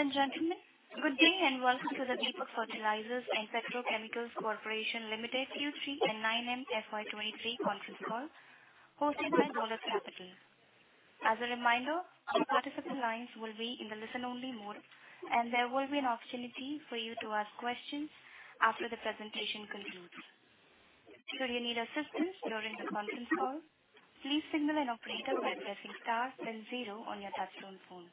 Ladies and gentlemen, good day and welcome to the Deepak Fertilisers and Petrochemicals Corporation Limited Q3 and 9M FY23 conference call hosted by Dolat Capital. As a reminder, all participant lines will be in the listen only mode. There will be an opportunity for you to ask questions after the presentation concludes. Should you need assistance during the conference call, please signal an operator by pressing star then zero on your touchtone phone.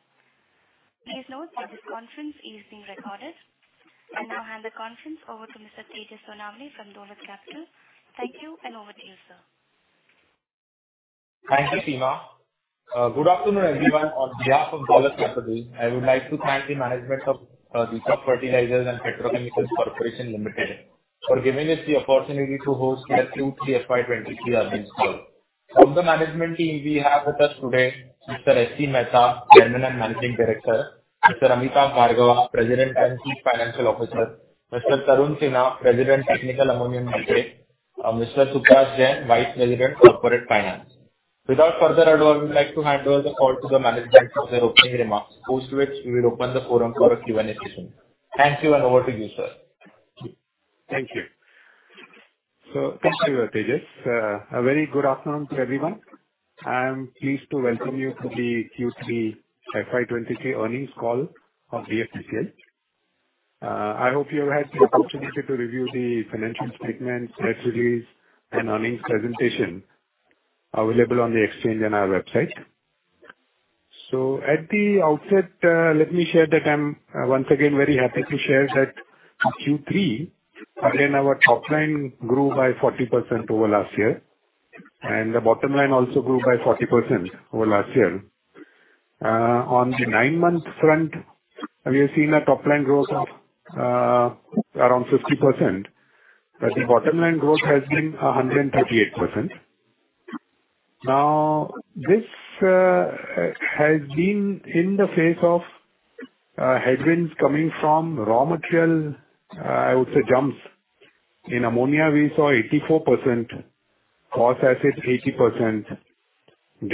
Please note that this conference is being recorded. I now hand the conference over to Mr. Tejas Sonawane from Dolat Capital. Thank you. Over to you, sir. Thank you, Seema. Good afternoon, everyone. On behalf of Dolat Capital, I would like to thank the management of Deepak Fertilisers And Petrochemicals Corporation Limited for giving us the opportunity to host their Q3 FY23 earnings call. From the management team we have with us today Mr. S.C. Mehta, Chairman and Managing Director, Mr. Amitabh Bhargav, President and Chief Financial Officer, Mr. Tarun Sinha, President Technical Ammonium Nitrate, Mr. Suparas Jain, Vice President Corporate Finance. Without further ado, I would like to hand over the call to the management for their opening remarks, post which we will open the forum for a Q&A session. Thank you and over to you, sir. Thank you. Tejas. A very good afternoon to everyone. I am pleased to welcome you to the Q3 FY23 earnings call of DFPCL. I hope you have had the opportunity to review the financial statements, press release and earnings presentation available on the exchange and our website. At the outset, let me share that I'm once again very happy to share that in Q3 again our top line grew by 40% over last year, and the bottom line also grew by 40% over last year. On the 9-month front, we have seen a top line growth of around 50%, but the bottom line growth has been 138%. Now, this has been in the face of headwinds coming from raw material, I would say jumps. Ammonia, we saw 84%, caustic acid 80%,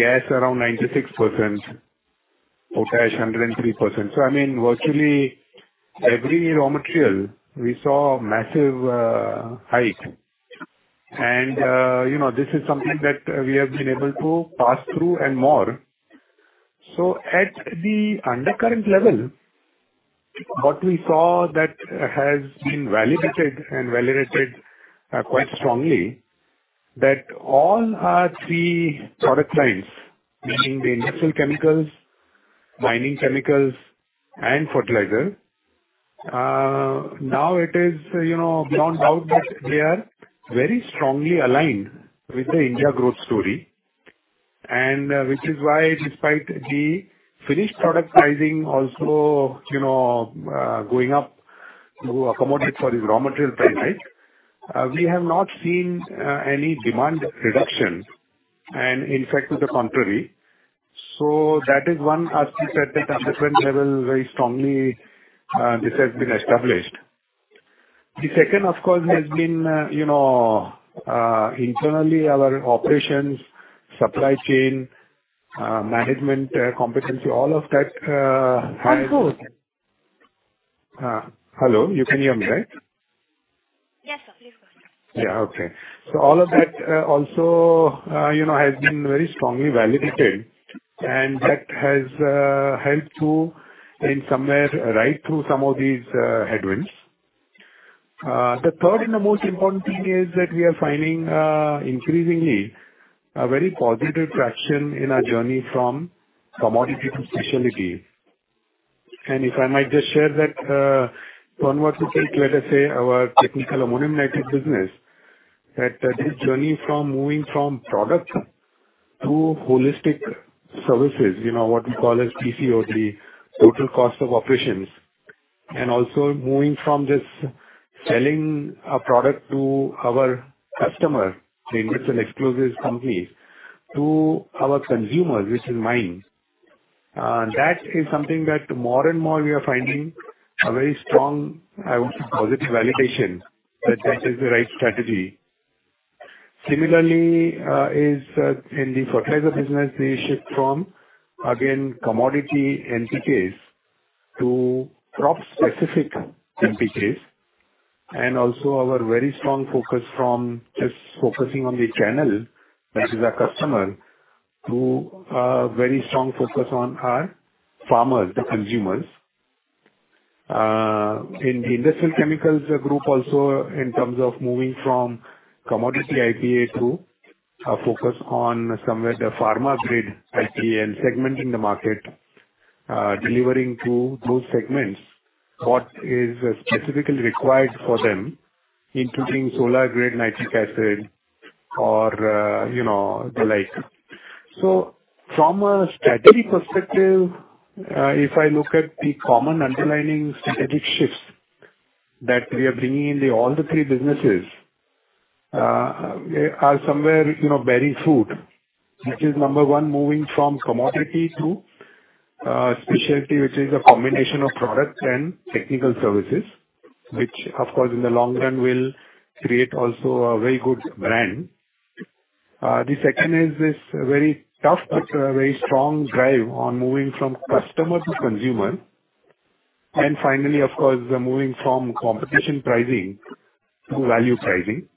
gas around 96%, potash 103%. I mean, virtually every raw material we saw massive hike. this is something that we have been able to pass through and more. At the undercurrent level, what we saw that has been validated and validated quite strongly, that all our three product lines, meaning the industrial chemicals, mining chemicals and fertilizer, now it is beyond doubt that they are very strongly aligned with the India growth story. Which is why despite the finished product pricing also going up to accommodate for the raw material price hike, we have not seen any demand reduction and in fact to the contrary. That is one aspect that at different level very strongly, this has been established. The second of course has been internally our operations, supply chain, management, competency, all of that. I'm good. Hello. You can hear me right? Yes, sir. Please go on. Yeah. Okay. All of that also has been very strongly validated and that has helped to in some way ride through some of these headwinds. The third and the most important thing is that we are finding increasingly a very positive traction in our journey from commodity to specialty. If I might just share that, for example, let us say our Technical Ammonium Nitrate business, that this journey from moving from product to holistic services what we call as TCOD, total cost of operations. Also moving from just selling a product to our customer, the military explosives companies, to our consumers, which is mines. That is something that more and more we are finding a very strong, I would say, positive validation that that is the right strategy. Similarly, is in the fertilizer business, the shift from again commodity NPKs to crop specific NPKs. Also our very strong focus from just focusing on the channel, that is our customer, to a very strong focus on our farmers, the consumers. In the industrial chemicals group also in terms of moving from commodity IPA to a focus on somewhere the Pharma Grade IPA and segmenting the market, delivering to those segments what is specifically required for them, including Solar Grade Nitric Acid or the like. From a strategy perspective, if I look at the common underlining strategic shifts that we are bringing in the all the three businesses, are somewhere bearing fruit. Which is number 1, moving from commodity to specialty, which is a combination of products and technical services. Which of course in the long run will create also a very good brand. The second is this very tough but very strong drive on moving from customer to consumer. Finally, of course, moving from competition pricing to value pricing.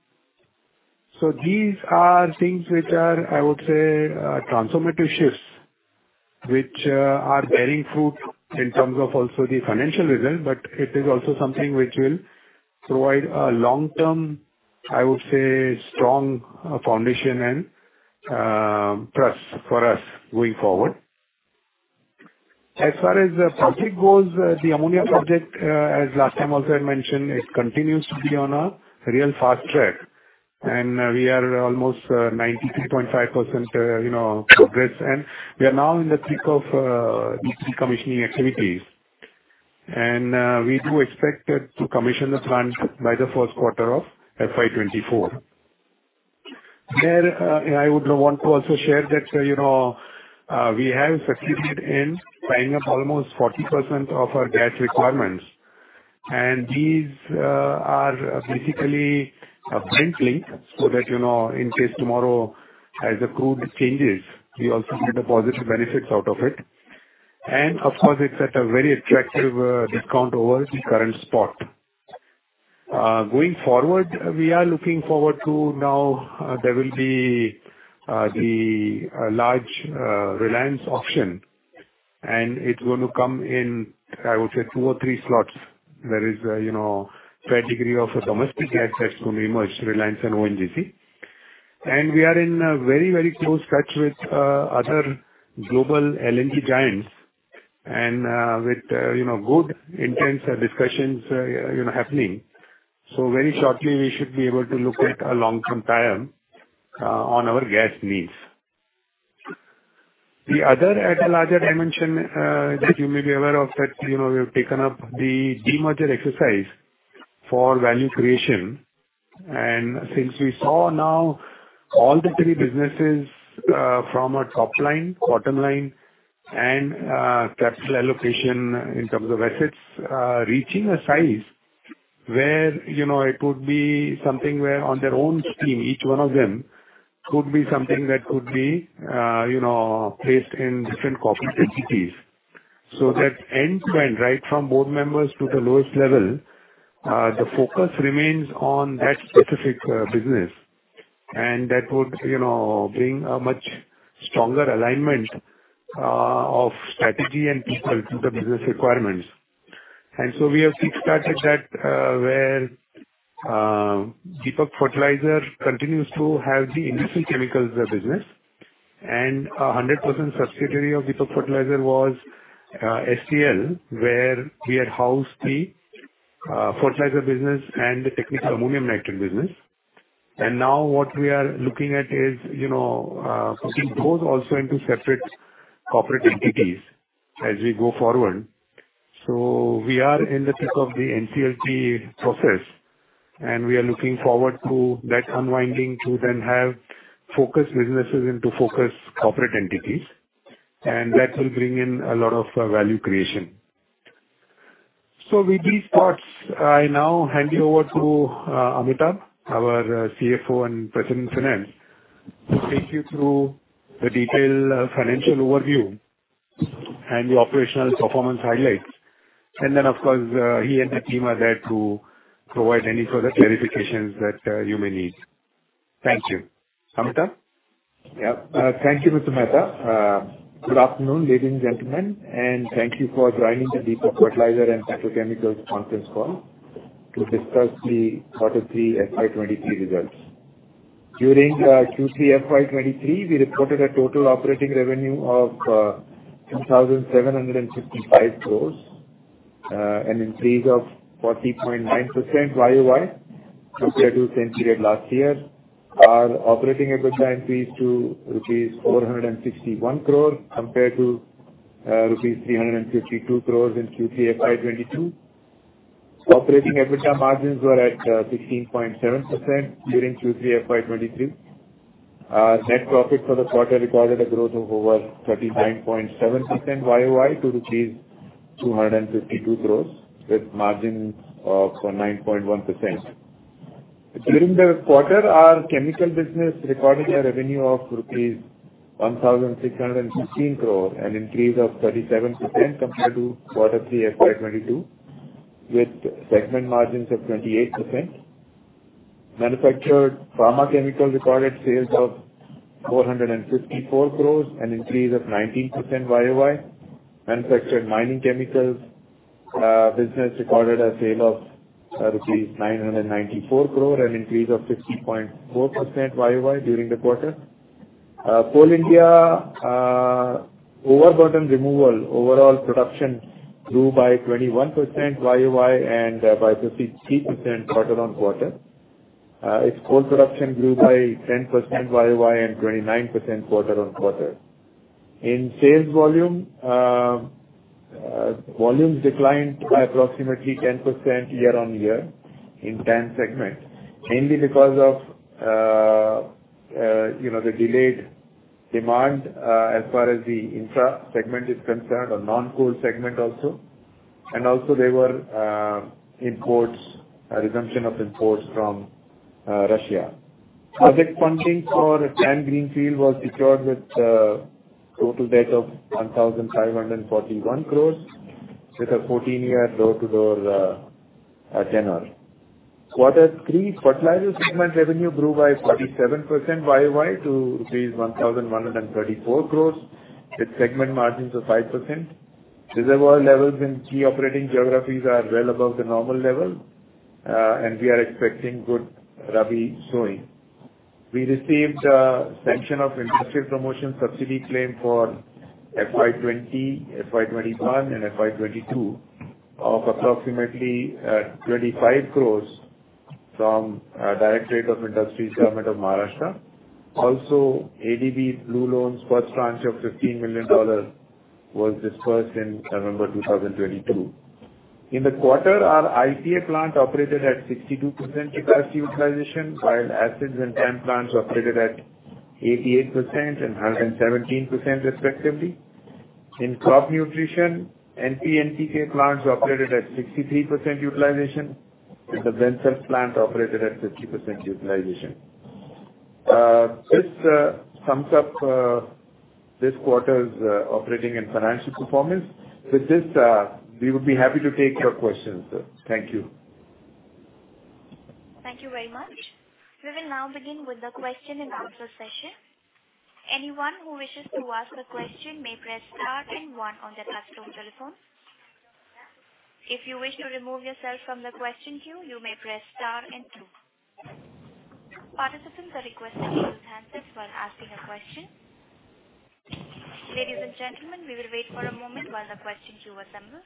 These are things which are, I would say, transformative shifts, which are bearing fruit in terms of also the financial results. It is also something which will provide a long-term, I would say, strong foundation and trust for us going forward. As far as the project goes, the ammonia project, as last time also I mentioned, it continues to be on a real fast track, and we are almost 92.5% progress. We are now in the peak of decommissioning activities. We do expect it to commission the plant by the Q1 of FY 2024. I would want to also share that we have succeeded in tying up almost 40% of our debt requirements. These are basically a blank link so that in case tomorrow as the crude changes, we also get the positive benefits out of it. Of course, it's at a very attractive discount over the current spot. Going forward, we are looking forward to now, there will be the large Reliance auction, and it's going to come in, I would say two or three slots, where is fair degree of a domestic assets going to emerge, Reliance and ONGC. We are in a very close touch with other global LNG giants and with good intense discussions happening. Very shortly we should be able to look at a long-term tie-up on our gas needs. The other at a larger dimension that you may be aware of that we have taken up the demerger exercise for value creation. Since we saw now all the three businesses from a top line, bottom line and capital allocation in terms of assets, reaching a size where it would be something where on their own steam, each one of them could be something that could be placed in different corporate entities. That end-to-end, right from board members to the lowest level, the focus remains on that specific business. That would bring a much stronger alignment of strategy and people to the business requirements. We have kickstarted that, where Deepak Fertilisers continues to have the industrial chemicals business. A 100% subsidiary of Deepak Fertilisers was STL, where we had housed the fertilizer business and the Technical Ammonium Nitrate business. Now what we are looking at is putting both also into separate corporate entities as we go forward. We are in the peak of the NCLT process, and we are looking forward to that unwinding to then have focused businesses into focus corporate entities, and that will bring in a lot of value creation. With these thoughts, I now hand you over to Amitabh, our CFO and President Finance, to take you through the detailed financial overview and the operational performance highlights. Of course, he and the team are there to provide any further clarifications that you may need. Thank you. Amitabh? Yeah. Thank you, Mr. Mehta. Good afternoon, ladies and gentlemen, thank you for joining the Deepak Fertilisers and Petrochemicals conference call to discuss the Q3 FY23 results. During the Q3 FY23, we reported a total operating revenue of 2,755 crores, an increase of 40.9% YOY compared to the same period last year. Our operating EBITDA increased to rupees 461 crore compared to rupees 352 crores in Q3 FY22. Operating EBITDA margins were at 16.7% during Q3 FY23. Net profit for the quarter recorded a growth of over 39.7% YOY to rupees 252 crores with margins of 9.1%. During the quarter, our chemical business recorded a revenue of rupees 1,616 crore, an increase of 37% compared to Q3 FY22, with segment margins of 28%. Manufactured pharma chemicals recorded sales of 454 crore, an increase of 19% YOY. Manufactured mining chemicals business recorded a sale of rupees 994 crore, an increase of 16.4% YOY during the quarter. Coal India overburden removal overall production grew by 21% YOY and by 53% quarter-on-quarter. Its coal production grew by 10% YOY and 29% quarter-on-quarter. In sales volume, volumes declined by approximately 10% year-on-year in TAN segment, mainly because of the delayed demand, as far as the infra segment is concerned or non-coal segment also. Also there were a resumption of imports from Russia. Project funding for TAN greenfield was secured with a total debt of 1,541 crores with a 14-year door-to-door tenor. Q3 fertilizers segment revenue grew by 47% YOY to INR 1,134 crores, with segment margins of 5%. Reserve oil levels in key operating geographies are well above the normal level, and we are expecting good Rabi sowing. We received sanction of Industrial Promotion Subsidy claim for FY 20, FY 21 and FY 22 of approximately 25 crores from our Directorate of Industries, Government of Maharashtra. ADB blue loans first tranche of $15 million was disbursed in November 2022. In the quarter, our IPA plant operated at 62% capacity utilization, while acids and TAN plants operated at 88% and 117% respectively. In crop nutrition, NP and NPK plants operated at 63% utilization, and the Blendsell plant operated at 50% utilization. This sums up this quarter's operating and financial performance. With this, we would be happy to take your questions. Thank you. Thank you very much. We will now begin with the question and answer session. Anyone who wishes to ask a question may press star then 1 on their customer telephone. If you wish to remove yourself from the question queue, you may press star and two. Participants are requested to use handset while asking a question. Ladies and gentlemen, we will wait for a moment while the question queue assembles.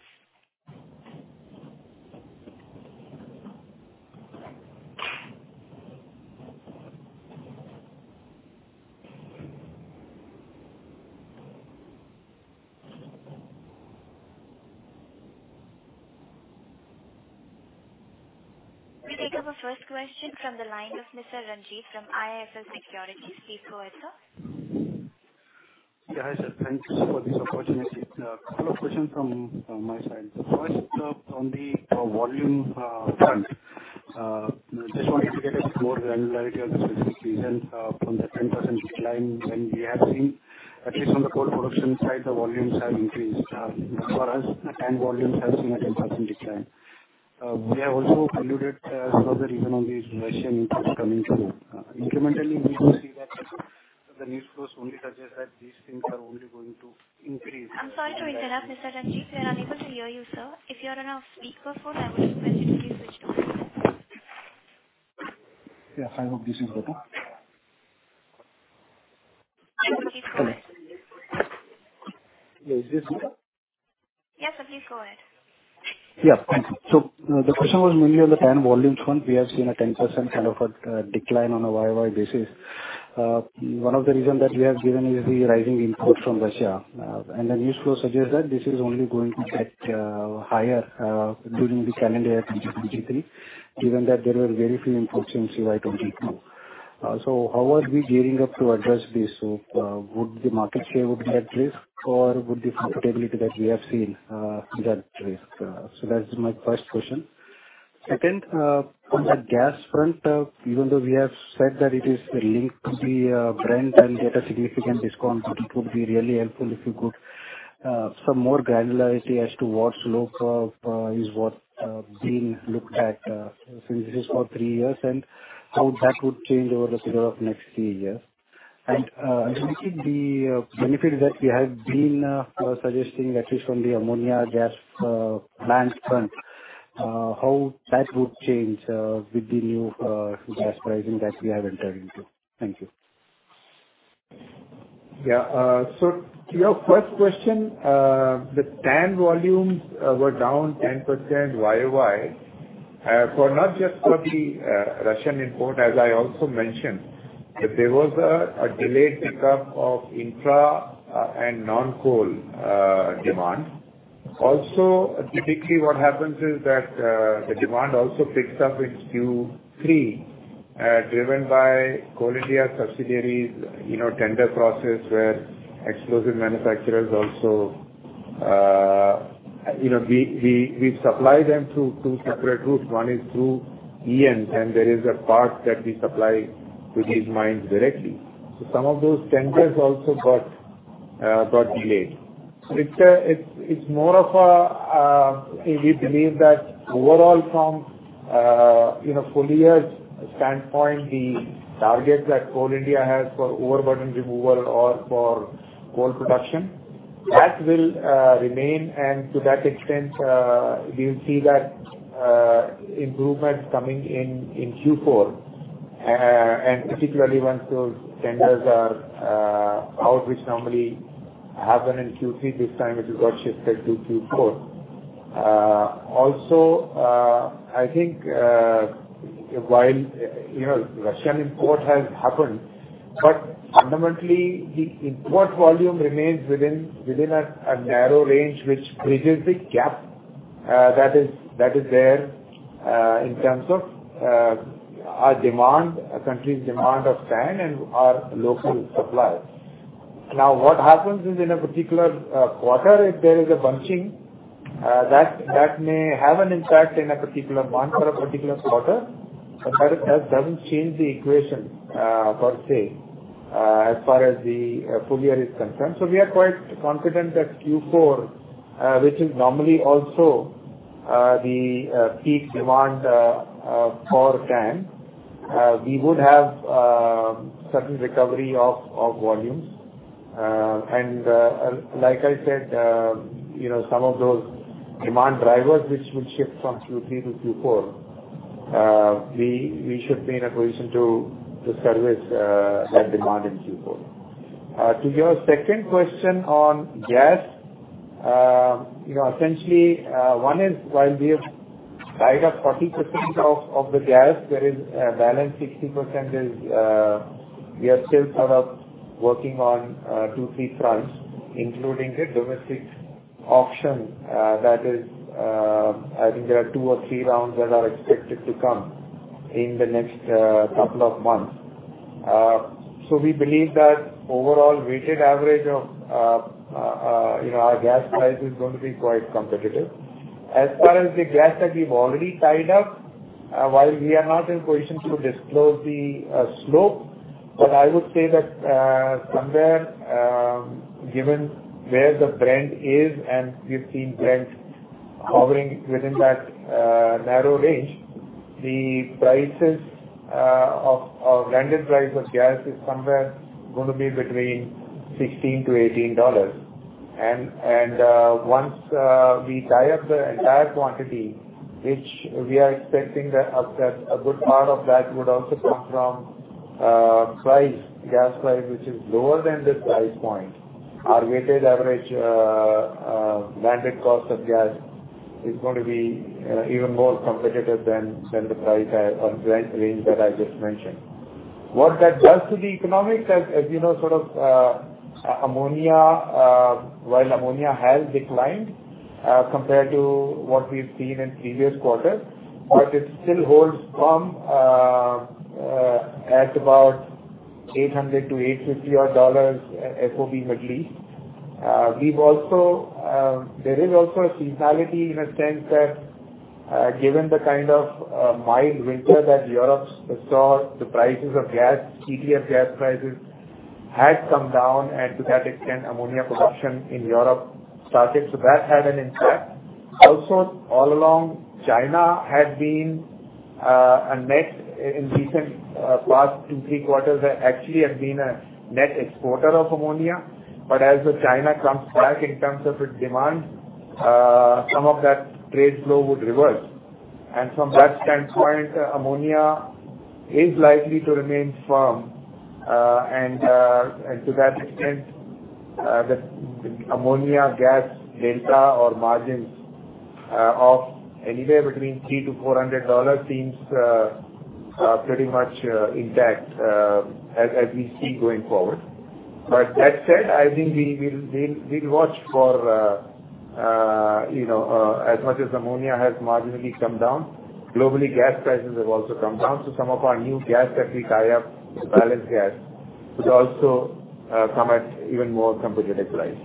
We take our first question from the line of Mr. Ranjit from IIFL Securities. Please go ahead, sir. Yeah, hi sir. Thanks for this opportunity. A couple of questions from my side. First, on the volume front, just wanted to get a bit more granularity on the specific reasons from the 10% decline when we have seen, at least from the coal production side, the volumes have increased. For us, the TAN volumes have seen a 10% decline. We have also alluded another reason on the Russian imports coming through. Incrementally we could see that the news flows only suggest that these things are only going to increase- I'm sorry to interrupt, Mr. Ranjit. We are unable to hear you, sir. If you're on a speakerphone, I would request you to please switch off. Yes, I hope this is better. Yes, please go ahead. Yeah. Is this better? Yes sir. Please go ahead. Thanks. The question was mainly on the TAN volumes front. We have seen a 10% kind of a decline on a YOY basis. One of the reason that we have given is the rising imports from Russia. The news flow suggests that this is only going to get higher during the calendar year 2023, given that there were very few imports in CY 2022. How are we gearing up to address this? Would the market share be at risk or would the profitability that we have seen be at risk? That's my first question. Second, on the gas front, even though we have said that it is linked to the Brent and get a significant discount, but it would be really helpful if you could some more granularity as to what slope of is what being looked at, since this is for three years and how that would change over the period of next 3 years. Repeating the benefit that we have been suggesting at least from the ammonia gas plant front, how that would change with the new gas pricing that we have entered into. Thank you. Yeah. So to your first question, the TAN volumes were down 10% YOY, for not just for the Russian import. As I also mentioned that there was a delayed pickup of infra and non-coal demand. Also, typically what happens is that the demand also picks up in Q3, driven by Coal India subsidiaries tender process where explosive manufacturers also we supply them through two separate routes. One is through ENS, and there is a part that we supply to these mines directly. Some of those tenders also got delayed. It's more of a, we believe that overall from full year's standpoint, the target that Coal India has for overburden removal or for coal production, that will remain. To that extent, we'll see that improvements coming in Q4, and particularly once those tenders are out, which normally happen in Q3 this time, it got shifted to Q4. I think, while Russian import has happened, but fundamentally the import volume remains within a narrow range which bridges the gap. That is, that is there, in terms of our demand, our country's demand of TAN and our local supply. What happens is in a particular quarter, if there is a bunching, that may have an impact in a particular month or a particular quarter, but that doesn't change the equation, per se, as far as the full year is concerned. We are quite confident that Q4, which is normally also the peak demand for TAN, we would have certain recovery of volumes. Like I said some of those demand drivers which will shift from Q3 to Q4, we should be in a position to service that demand in Q4. To your second question on gas. Essentially, one is while we have tied up 40% of the gas, there is a balance 60% is we are still sort of working on two, three fronts, including the domestic auction, that is, I think there are two or three rounds that are expected to come in the next couple of months. We believe that overall weighted average of our gas price is going to be quite competitive. As far as the gas that we've already tied up, while we are not in position to disclose the slope, but I would say that somewhere, given where the Brent is and we've seen Brent hovering within that narrow range, the prices of landed price of gas is somewhere going to be between $16 to 18. Once we tie up the entire quantity, which we are expecting that a good part of that would also come from price, gas price, which is lower than this price point. Our weighted average landed cost of gas is going to be even more competitive than the price or Brent range that I just mentioned. What that does to the economics, as ammonia, while ammonia has declined, compared to what we've seen in previous quarters, but it still holds firm at about $800 to 850 odd FOB Hadley. We've also, there is also a seasonality in a sense that, given the kind of mild winter that Europe saw, the prices of gas, TTF gas prices had come down, and to that extent, ammonia production in Europe started. So that had an impact. Also, all along, China had been a net in recent past two, three quarters, actually have been a net exporter of ammonia. But as China comes back in terms of its demand, some of that trade flow would reverse. From that standpoint, ammonia is likely to remain firm. To that extent, the ammonia gas delta or margins, of anywhere between $300 to 400 seems, pretty much, intact, as we see going forward. That said, I think we will, we'll watch for as much as ammonia has marginally come down, globally gas prices have also come down. Some of our new gas that we tie up with balanced gas would also, come at even more competitive price.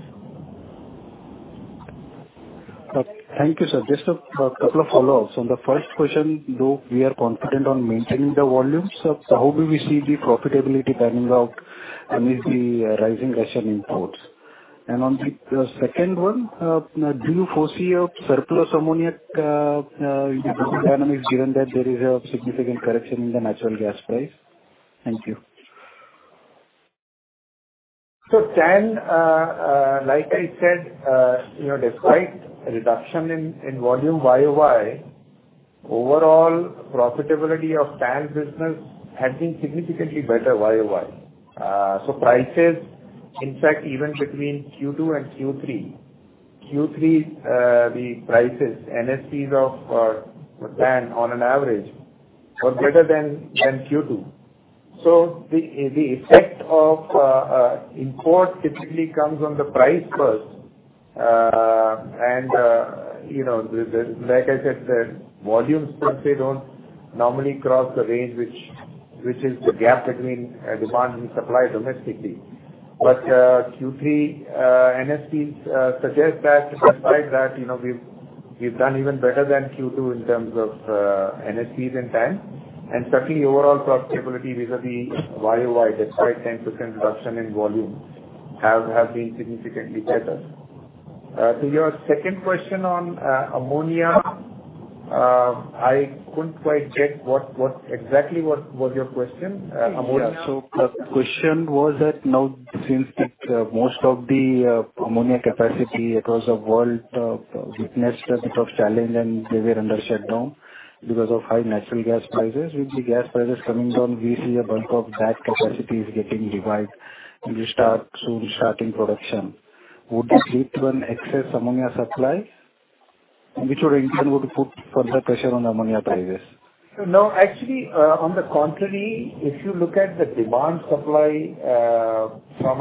Thank you, sir. Just a couple of follow-ups. On the first question, though we are confident on maintaining the volumes, how do we see the profitability panning out amidst the rising Russian imports? On the second one, do you foresee a surplus ammonia in the business dynamics, given that there is a significant correction in the natural gas price? Thank you. TAN, like I said despite reduction in volume YOY, overall profitability of TAN business has been significantly better YOY. Prices, in fact, even between Q2 and Q3. Q3, the prices, TAN on an average were better than Q2. The effect of imports typically comes on the price first. the like I said, the volumes per se don't normally cross the range which is the gap between demand and supply domestically. Q3 TAN suggest that, despite that we've done even better than Q2 in terms of TAN in TAN. Certainly overall profitability vis-a-vis YOY, despite 10% reduction in volume, have been significantly better. To your second question on ammonia, I couldn't quite get what exactly was your question. Ammonia. The question was that now since most of the ammonia capacity across the world witnessed a bit of challenge and they were under shutdown because of high natural gas prices. With the gas prices coming down, we see a bunch of that capacity is getting revived and soon restarting production. Would this lead to an excess ammonia supply, which would in turn would put further pressure on ammonia prices? No, actually, on the contrary, if you look at the demand supply, from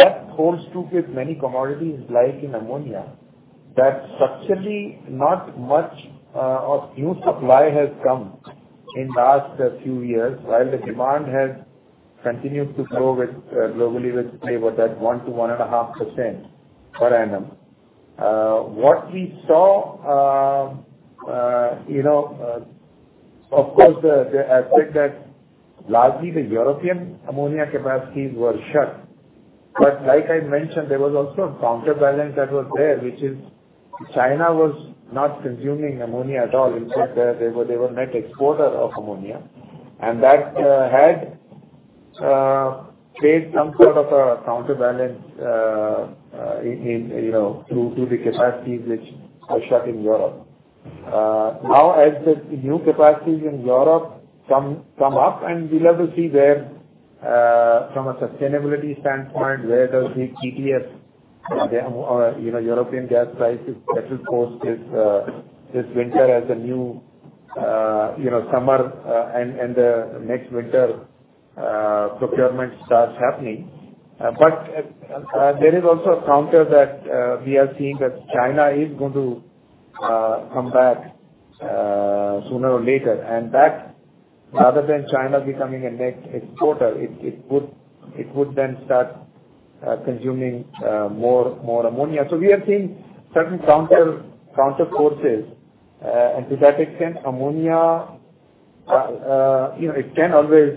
that holds true with many commodities like in ammonia, that structurally not much of new supply has come in the last few years while the demand has continued to grow with globally with say what? That 1%-1.5% per annum. What we saw of course, the aspect that largely the European ammonia capacities were shut. Like I mentioned, there was also a counterbalance that was there, which is China was not consuming ammonia at all. In fact, they were net exporter of ammonia. That had created some sort of a counterbalance, in to the capacities which were shut in Europe. Now as the new capacities in Europe come up, we'll have to see where from a sustainability standpoint, where does the tts European gas prices settle post this winter as the new summer and the next winter procurement starts happening. There is also a counter that we are seeing that China is going to come back sooner or later. That other than China becoming a net exporter, it would then start consuming more ammonia. We are seeing certain counter forces. To that extent, ammonia it can always,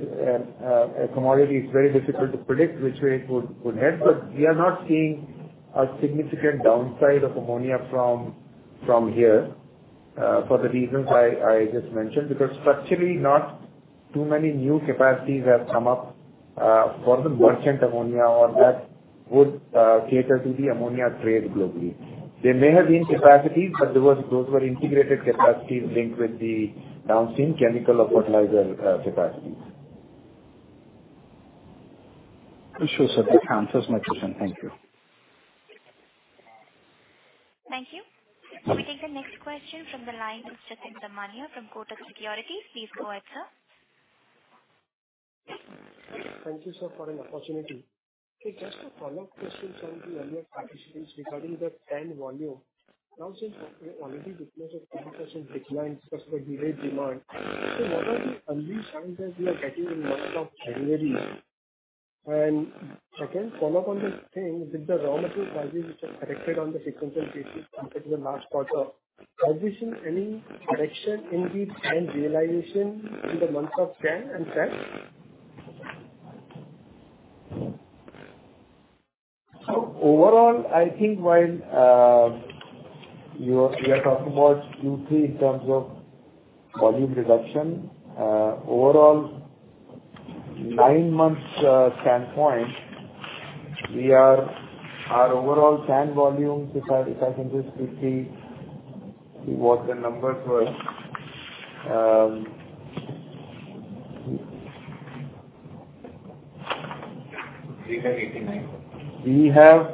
a commodity is very difficult to predict which way it would head, but we are not seeing a significant downside of ammonia from here, for the reasons I just mentioned. Structurally not too many new capacities have come up, for the merchant ammonia or that would cater to the ammonia trade globally. There may have been capacities, but those were integrated capacities linked with the downstream chemical or fertilizer capacities. I'm sure, sir, this answers my question. Thank you. Thank you. We'll take the next question from the line of Jatin Damania from Kotak Securities. Please go ahead, sir. Thank you, sir, for an opportunity. Okay, just a follow-up question from the earlier participants regarding the TAN volume. Since you already witnessed a 20% decline because of a delayed demand, what are the early signs that you are getting in month of February? Second follow-up on this thing, with the raw material prices which have corrected on the sequential basis compared to the last quarter, are we seeing any correction in the TAN realization in the months of January and February? Overall, I think while we are talking about Q3 in terms of volume reduction, overall nine months standpoint, our overall TAN volumes, if I can just quickly what the numbers were. INR 3,89,000. We have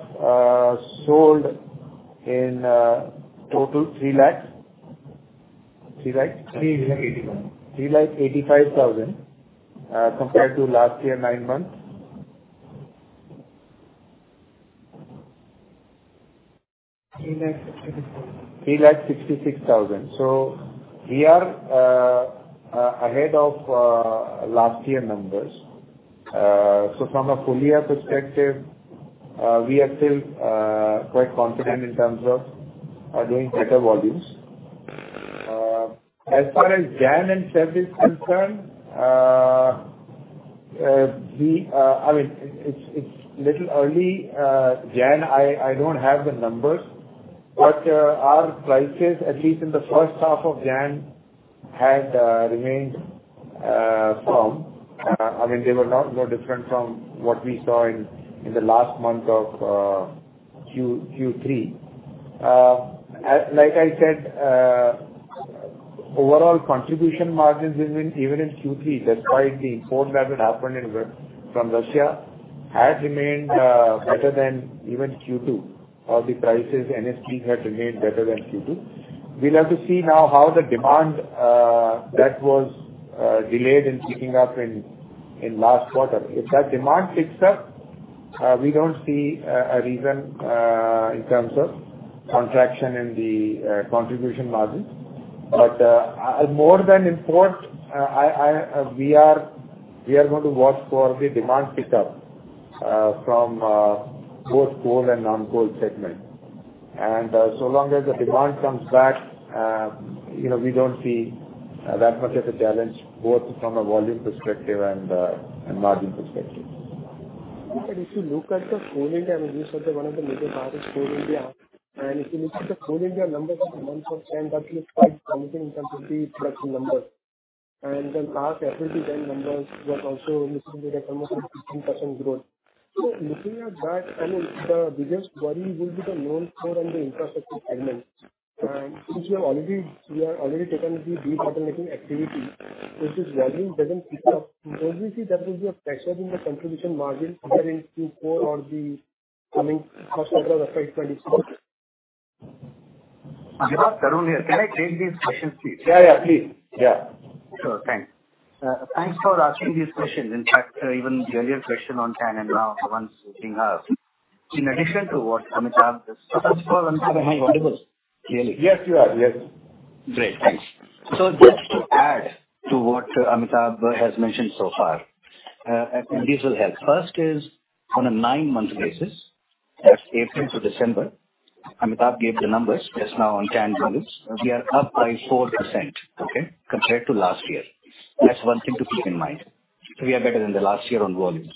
sold in total 3 lakh. 3 lakh? 3.85 lakh. 3,85,000, compared to last year 9 months. 3,64,000. INR 3 lakh 66,000. We are ahead of last year numbers. From a full year perspective, we are still quite confident in terms of doing better volumes. As far as Jan and Feb is concerned, I mean, it's little early. Jan, I don't have the numbers. Our prices, at least in the first half of Jan, had remained firm. I mean, they were not more different from what we saw in the last month of Q, Q3. Like I said, overall contribution margins even in Q3, despite the import that had happened in from Russia, had remained better than even Q2. All the prices and ST had remained better than Q2. We'll have to see now how the demand that was delayed in picking up in last quarter. If that demand picks up, we don't see a reason in terms of contraction in the contribution margins. More than import. We are going to watch for the demand pickup from both coal and non-coal segment. So long as the demand comes back we don't see that much of a challenge both from a volume perspective and margin perspective. If you look at the Coal India, I mean, you said that one of the major part is Coal India. If you look at the Coal India numbers in the month of Jan, that looks quite promising in terms of the production numbers. Our FPP gen numbers were also looking at a almost 15% growth. Looking at that, I mean, the biggest worry will be the known coal and the infrastructure segment. Since you have already taken the de-bottlenecking activity, if this volume doesn't pick up, don't you see that will be a pressure in the contribution margin compared to Q4 or the coming Q1 of the fiscal 2024? Tarun here. Can I take these questions, please? Yeah, please. Sure. Thanks. Thanks for asking these questions. In fact, even the earlier question on TAN and now the ones we have. In addition to what Amitabh just. Am I audible clearly? Yes, you are. Yes. Great. Thanks. Just to add to what Amitabh has mentioned so far, these will help. First is on a 9-month basis. That's April to December. Amitabh gave the numbers just now on TAN volumes. We are up by 4%, okay, compared to last year. That's one thing to keep in mind. We are better than the last year on volumes.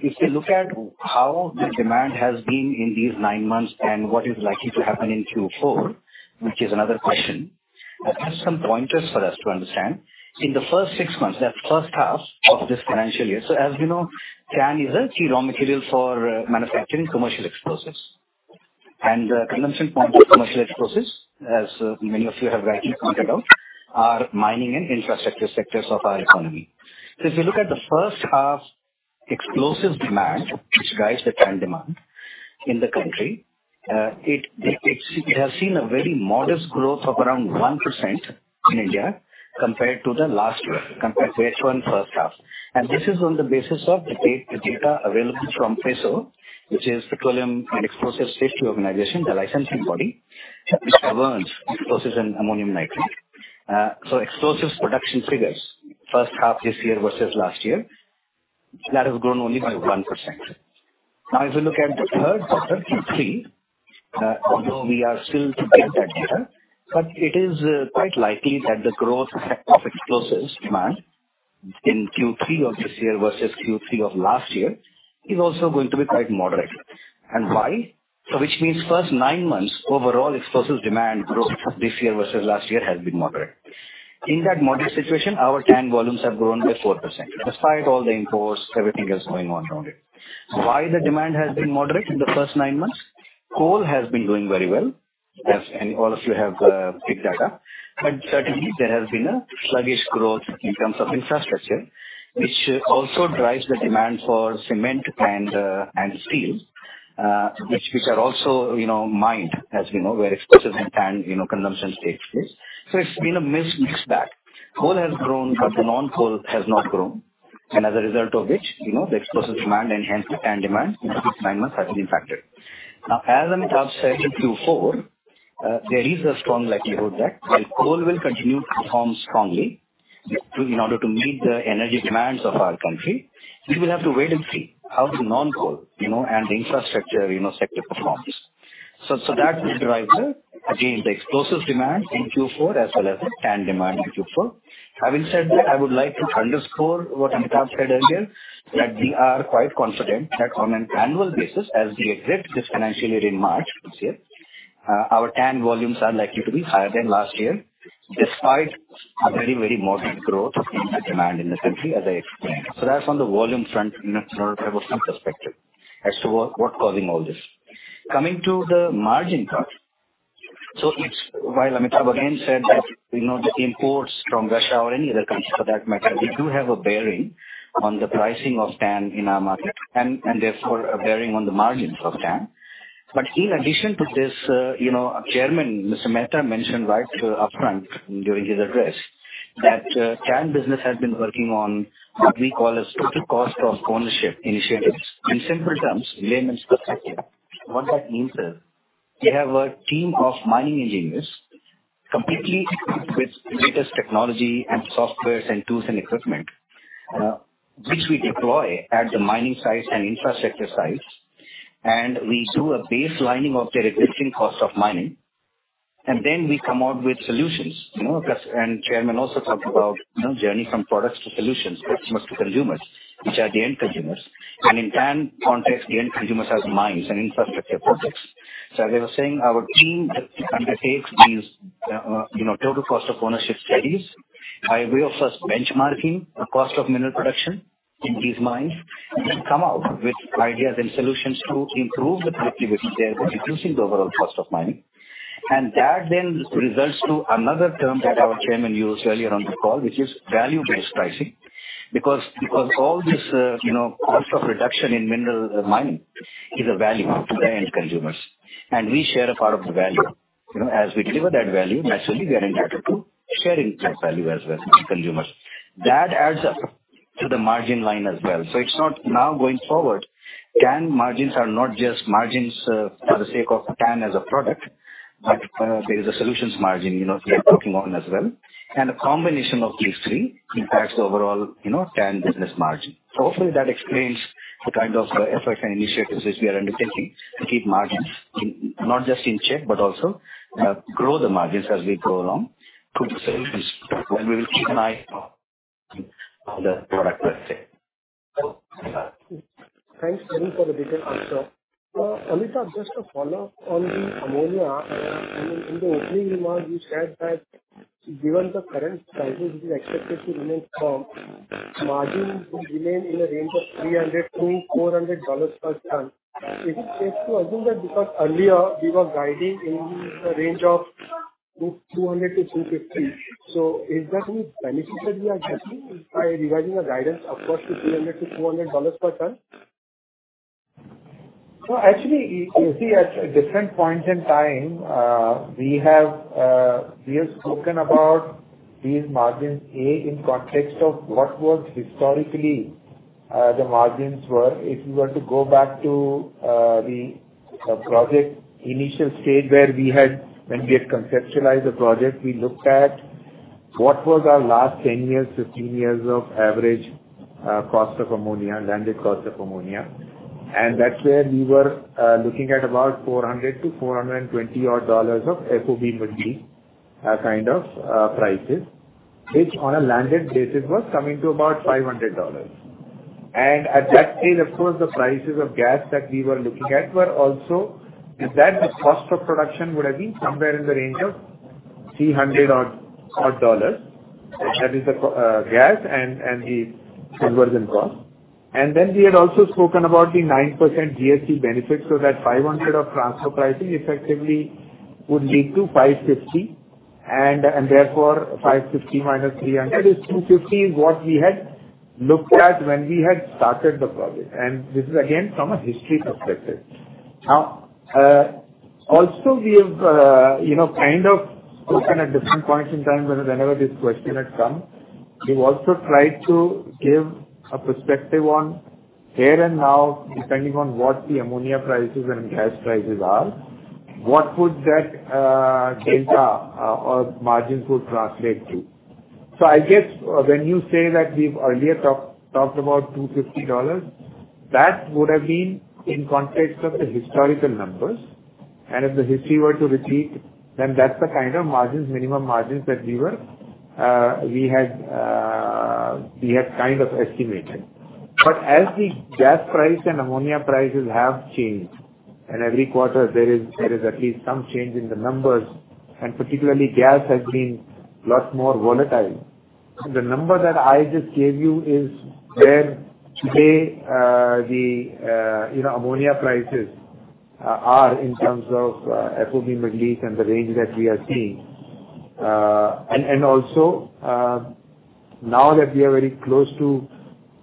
If you look at how the demand has been in these nine months and what is likely to happen in Q4, which is another question, there's some pointers for us to understand. In the first six months, that's first half of this financial year. As we know, TAN is a key raw material for manufacturing commercial explosives. The consumption point of commercial explosives, as many of you have rightly pointed out, are mining and infrastructure sectors of our economy. If you look at the first half explosive demand, which drives the TAN demand in the country, it has seen a very modest growth of around 1% in India compared to the last year compared to H1 first half. This is on the basis of the date, the data available from PESO, which is Petroleum and Explosives Safety Organisation, the licensing body, which governs explosives and Ammonium Nitrate. So explosives production figures first half this year versus last year, that has grown only by 1%. If you look at the Q3, Q3, although we are still to get that data, but it is quite likely that the growth rate of explosives demand in Q3 of this year versus Q3 of last year is also going to be quite moderate. Why? Which means first nine months overall explosives demand growth this year versus last year has been moderate. In that moderate situation, our TAN volumes have grown by 4% despite all the imports, everything else going on around it. Why the demand has been moderate in the first nine months? Coal has been doing very well, as all of you have big data. Certainly there has been a sluggish growth in terms of infrastructure, which also drives the demand for cement and steel, which are also mined, as where explosives and tan consumption takes place. It's been a mis-mix back. Coal has grown, the non-coal has not grown. As a result of which the explosives demand and hence TAN demand in the first nine months has been impacted. As Amitabh said in Q4, there is a strong likelihood that while coal will continue to perform strongly in order to meet the energy demands of our country, we will have to wait and see how the non-coal and the infrastructure sector performs. That will drive the, again, the explosives demand in Q4 as well as the TAN demand in Q4. Having said that, I would like to underscore what Amitabh said earlier, that we are quite confident that on an annual basis, as we exit this financial year in March this year, our TAN volumes are likely to be higher than last year, despite a very, very modest growth in the demand in the country, as I explained. That's on the volume front from a consumption perspective as to what causing all this. Coming to the margin part. It's while Amitabh again said that the imports from Russia or any other country for that matter, they do have a bearing on the pricing of TAN in our market and therefore a bearing on the margins of TAN. In addition to this our chairman, Mr. Mehta, mentioned right upfront during his address that TAN business has been working on what we call a Total Cost of Ownership initiatives. In simple terms, layman's perspective, what that means is we have a team of mining engineers completely equipped with latest technology and softwares and tools and equipment, which we deploy at the mining sites and infrastructure sites, and we do a baselining of their existing cost of mining. Then we come out with solutions,. Chairman also talked about journey from products to solutions, customers to consumers, which are the end consumers. In TAN context, the end consumers are mines and infrastructure projects. As I was saying, our team undertakes these Total Cost of Ownership studies by way of first benchmarking the cost of mineral production in these mines, and come out with ideas and solutions to improve the productivity there by reducing the overall cost of mining. That then results to another term that our chairman used earlier on the call, which is value-based pricing. Because all this cost of reduction in mineral mining is a value to the end consumers, and we share a part of the value. As we deliver that value, naturally, we are entitled to sharing that value as well as consumers. That adds up to the margin line as well. It's not now going forward, TAN margins are not just margins for the sake of TAN as a product, but there is a solutions margin we are working on as well. A combination of these three impacts overall TAN business margin. Hopefully that explains the kind of efforts and initiatives which we are undertaking to keep margins in, not just in check but also grow the margins as we go along through the solutions. We will keep an eye on the product, let's say. Thanks, Karun, for the detailed answer. Amitabh, just a follow-up on the ammonia. I mean, in the opening remarks you said that given the current prices is expected to remain firm, margins will remain in the range of $300 to 400 per ton. Is it safe to assume that because earlier we were guiding in the range of $200 to 250? Is that any benefit that we are getting by revising our guidance upwards to $300 to 400 per ton? Actually, you see at different points in time, we have spoken about these margins, A, in context of what was historically, the margins were. If you were to go back to, the project initial stage when we had conceptualized the project, we looked at what was our last 10 years, 15 years of average, cost of ammonia, landed cost of ammonia. That's where we were looking at about $400 to 420 odd of FOB Middle East kind of prices. Which on a landed basis was coming to about $500. At that stage, of course, the prices of gas that we were looking at were also. At that, the cost of production would have been somewhere in the range of $300 odd. That is the gas and the conversion cost. We had also spoken about the 9% GST benefit, so that 500 of transfer pricing effectively would lead to 550 and therefore 550 minus 300 is 250, is what we had looked at when we had started the project. This is again from a history perspective. Also we have kind of spoken at different points in time whenever this question has come. We've also tried to give a perspective on here and now, depending on what the ammonia prices and gas prices are, what would that delta or margins would translate to. I guess when you say that we've earlier talked about $250, that would have been in context of the historical numbers. If the history were to repeat, then that's the kind of margins, minimum margins that we had kind of estimated. As the gas price and ammonia prices have changed, and every quarter there is at least some change in the numbers, and particularly gas has been lot more volatile. The number that I just gave you is where today, the ammonia prices, are in terms of, FOB Middle East and the range that we are seeing. Also, now that we are very close to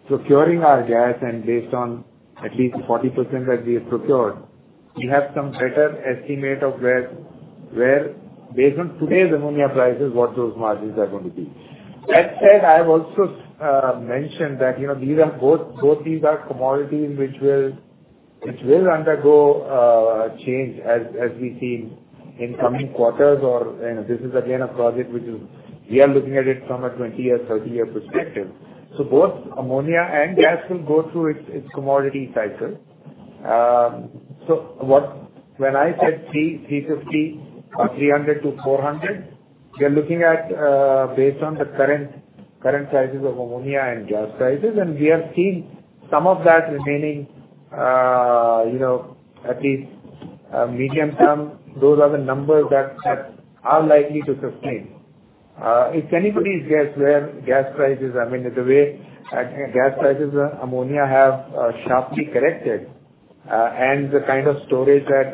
procuring our gas and based on at least 40% that we have procured, we have some better estimate of where based on today's ammonia prices, what those margins are going to be. That said, I've also mentioned that both these are commodities which will undergo change as we see in coming quarters. This is again a project which is we are looking at it from a 20-year, 30-year perspective. Both ammonia and gas will go through its commodity cycle. When I said $350 or $300-$400, we are looking at, based on the current prices of ammonia and gas prices, and we have seen some of that remaining at least, medium-term, those are the numbers that are likely to sustain. If anybody's gas, where gas prices, I mean, the way gas prices and ammonia have sharply corrected, and the kind of storage that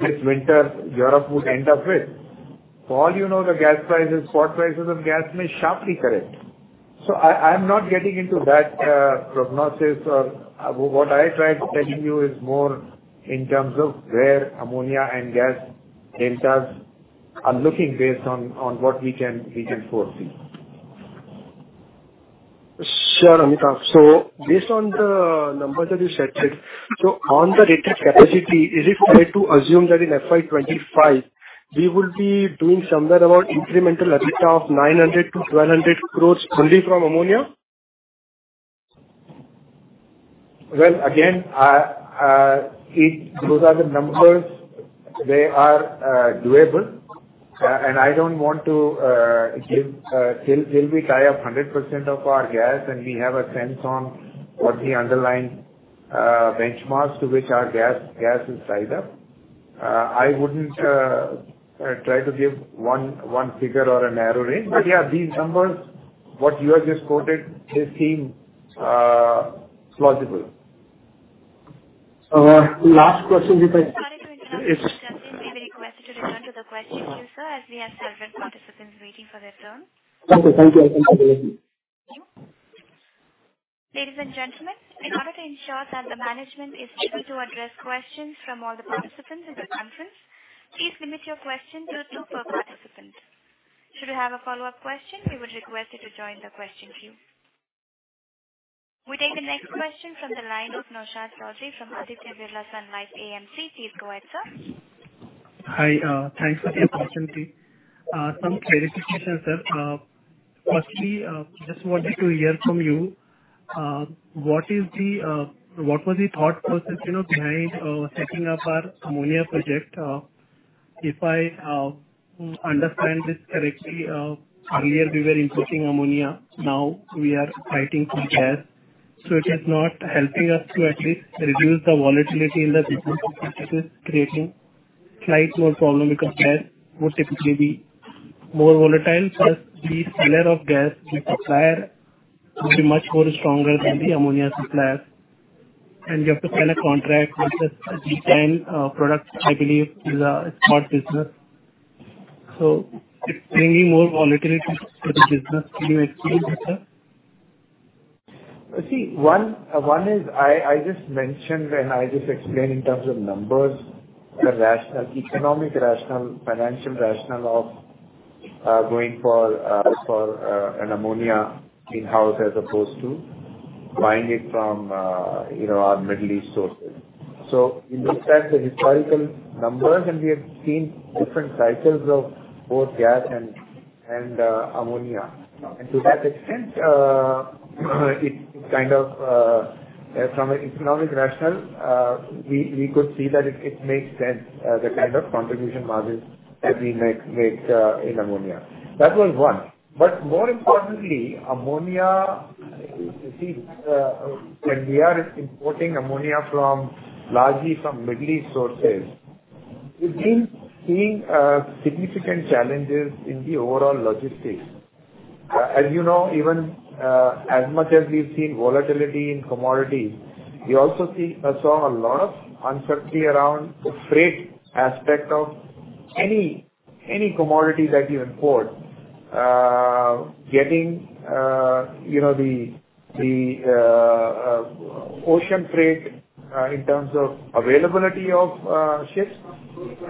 this winter Europe would end up with. For all the gas prices, spot prices of gas may sharply correct. I'm not getting into that prognosis or. What I tried telling you is more in terms of where ammonia and gas deltas are looking based on what we can foresee. Sure, Amitabh. Based on the numbers that you said, on the rated capacity, is it fair to assume that in FY 25 we will be doing somewhere about incremental EBITDA of 900-1,200 crores only from ammonia? Well, again, if those are the numbers, they are doable. I don't want to give till we tie up 100% of our gas and we have a sense on what the underlying benchmarks to which our gas is tied up, I wouldn't try to give one figure or a narrow range. Yeah, these numbers, what you have just quoted does seem plausible. The last question. Sorry to interrupt, gentlemen. We request you to return to the question queue, sir, as we have several participants waiting for their turn. Okay, thank you. I conclude with you. Ladies and gentlemen, in order to ensure that the management is able to address questions from all the participants in the conference, please limit your question to two per participant. Should you have a follow-up question, we would request you to join the question queue. We take the next question from the line of Naushad Chaudhary from Aditya Birla Sun Life AMC. Please go ahead, sir. Hi, thanks for the opportunity. Some clarifications, sir. firstly, just wanted to hear from you, what is the, what was the thought process behind setting up our ammonia project? If I understand this correctly, earlier we were importing ammonia. Now we are fighting from gas. It is not helping us to at least reduce the volatility in the business practices, creating slight more problem because gas would typically be more volatile. The seller of gas, the supplier will be much more stronger than the ammonia supplier. You have to sign a contract with the design, product, I believe is a spot business. It's bringing more volatility for the business. Can you explain that, sir? See, one is I just mentioned when I just explained in terms of numbers, the economic rational, financial rational of going for an ammonia in-house as opposed to buying it from our Middle East sources. We looked at the historical numbers, and we have seen different cycles of both gas and ammonia. To that extent, it kind of from an economic rational, we could see that it makes sense, the kind of contribution margins that we make in ammonia. That was one. More importantly, ammonia, you see, when we are importing ammonia from largely from Middle East sources, we've been seeing significant challenges in the overall logistics. As even as much as we've seen volatility in commodities, we also saw a lot of uncertainty around the freight aspect of any commodity that you import. Getting the ocean freight in terms of availability of ships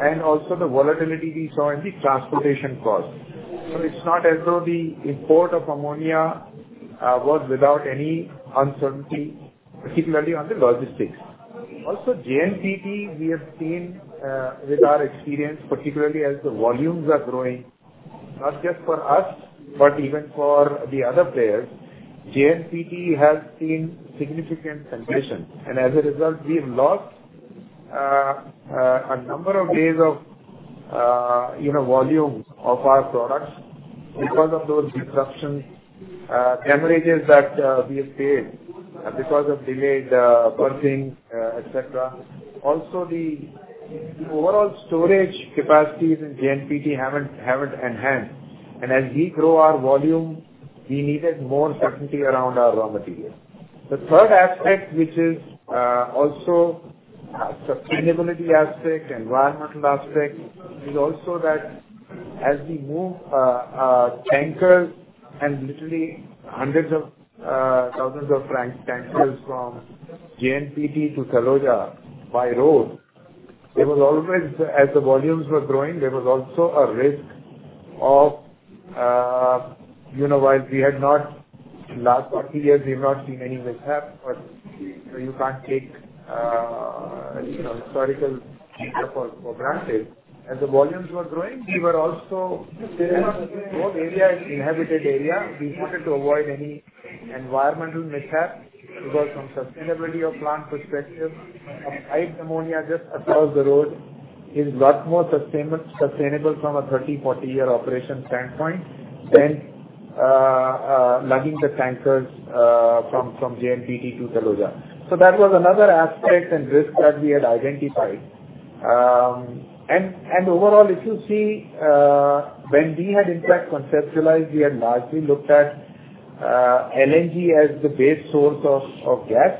and also the volatility we saw in the transportation costs. So it's not as though the import of ammonia was without any uncertainty, particularly on the logistics. Also, JNPT, we have seen with our experience, particularly as the volumes are growing, not just for us, but even for the other players, JNPT has seen significant congestion. And as a result, we've lost a number of days of volume of our products because of those disruptions, damages that we have paid because of delayed berthing, etc. Also, the overall storage capacities in JNPT haven't enhanced. As we grow our volume, we needed more certainty around our raw material. The third aspect, which is also sustainability aspect, environmental aspect, is also that as we move tankers and literally hundreds of thousands of tankers from JNPT to Taloja by road. As the volumes were growing, there was also a risk of Last 40 years, we've not seen any mishap, but you can't take historical data for granted. As the volumes were growing, we were also road area is inhabited area. We wanted to avoid any environmental mishap because from sustainability of plant perspective, a pipe ammonia just across the road is lot more sustainable from a 30, 40-year operation standpoint than lugging the tankers from JNPT to Taloja. That was another aspect and risk that we had identified. Overall, if you see, when we had in fact conceptualized, we had largely looked at LNG as the base source of gas.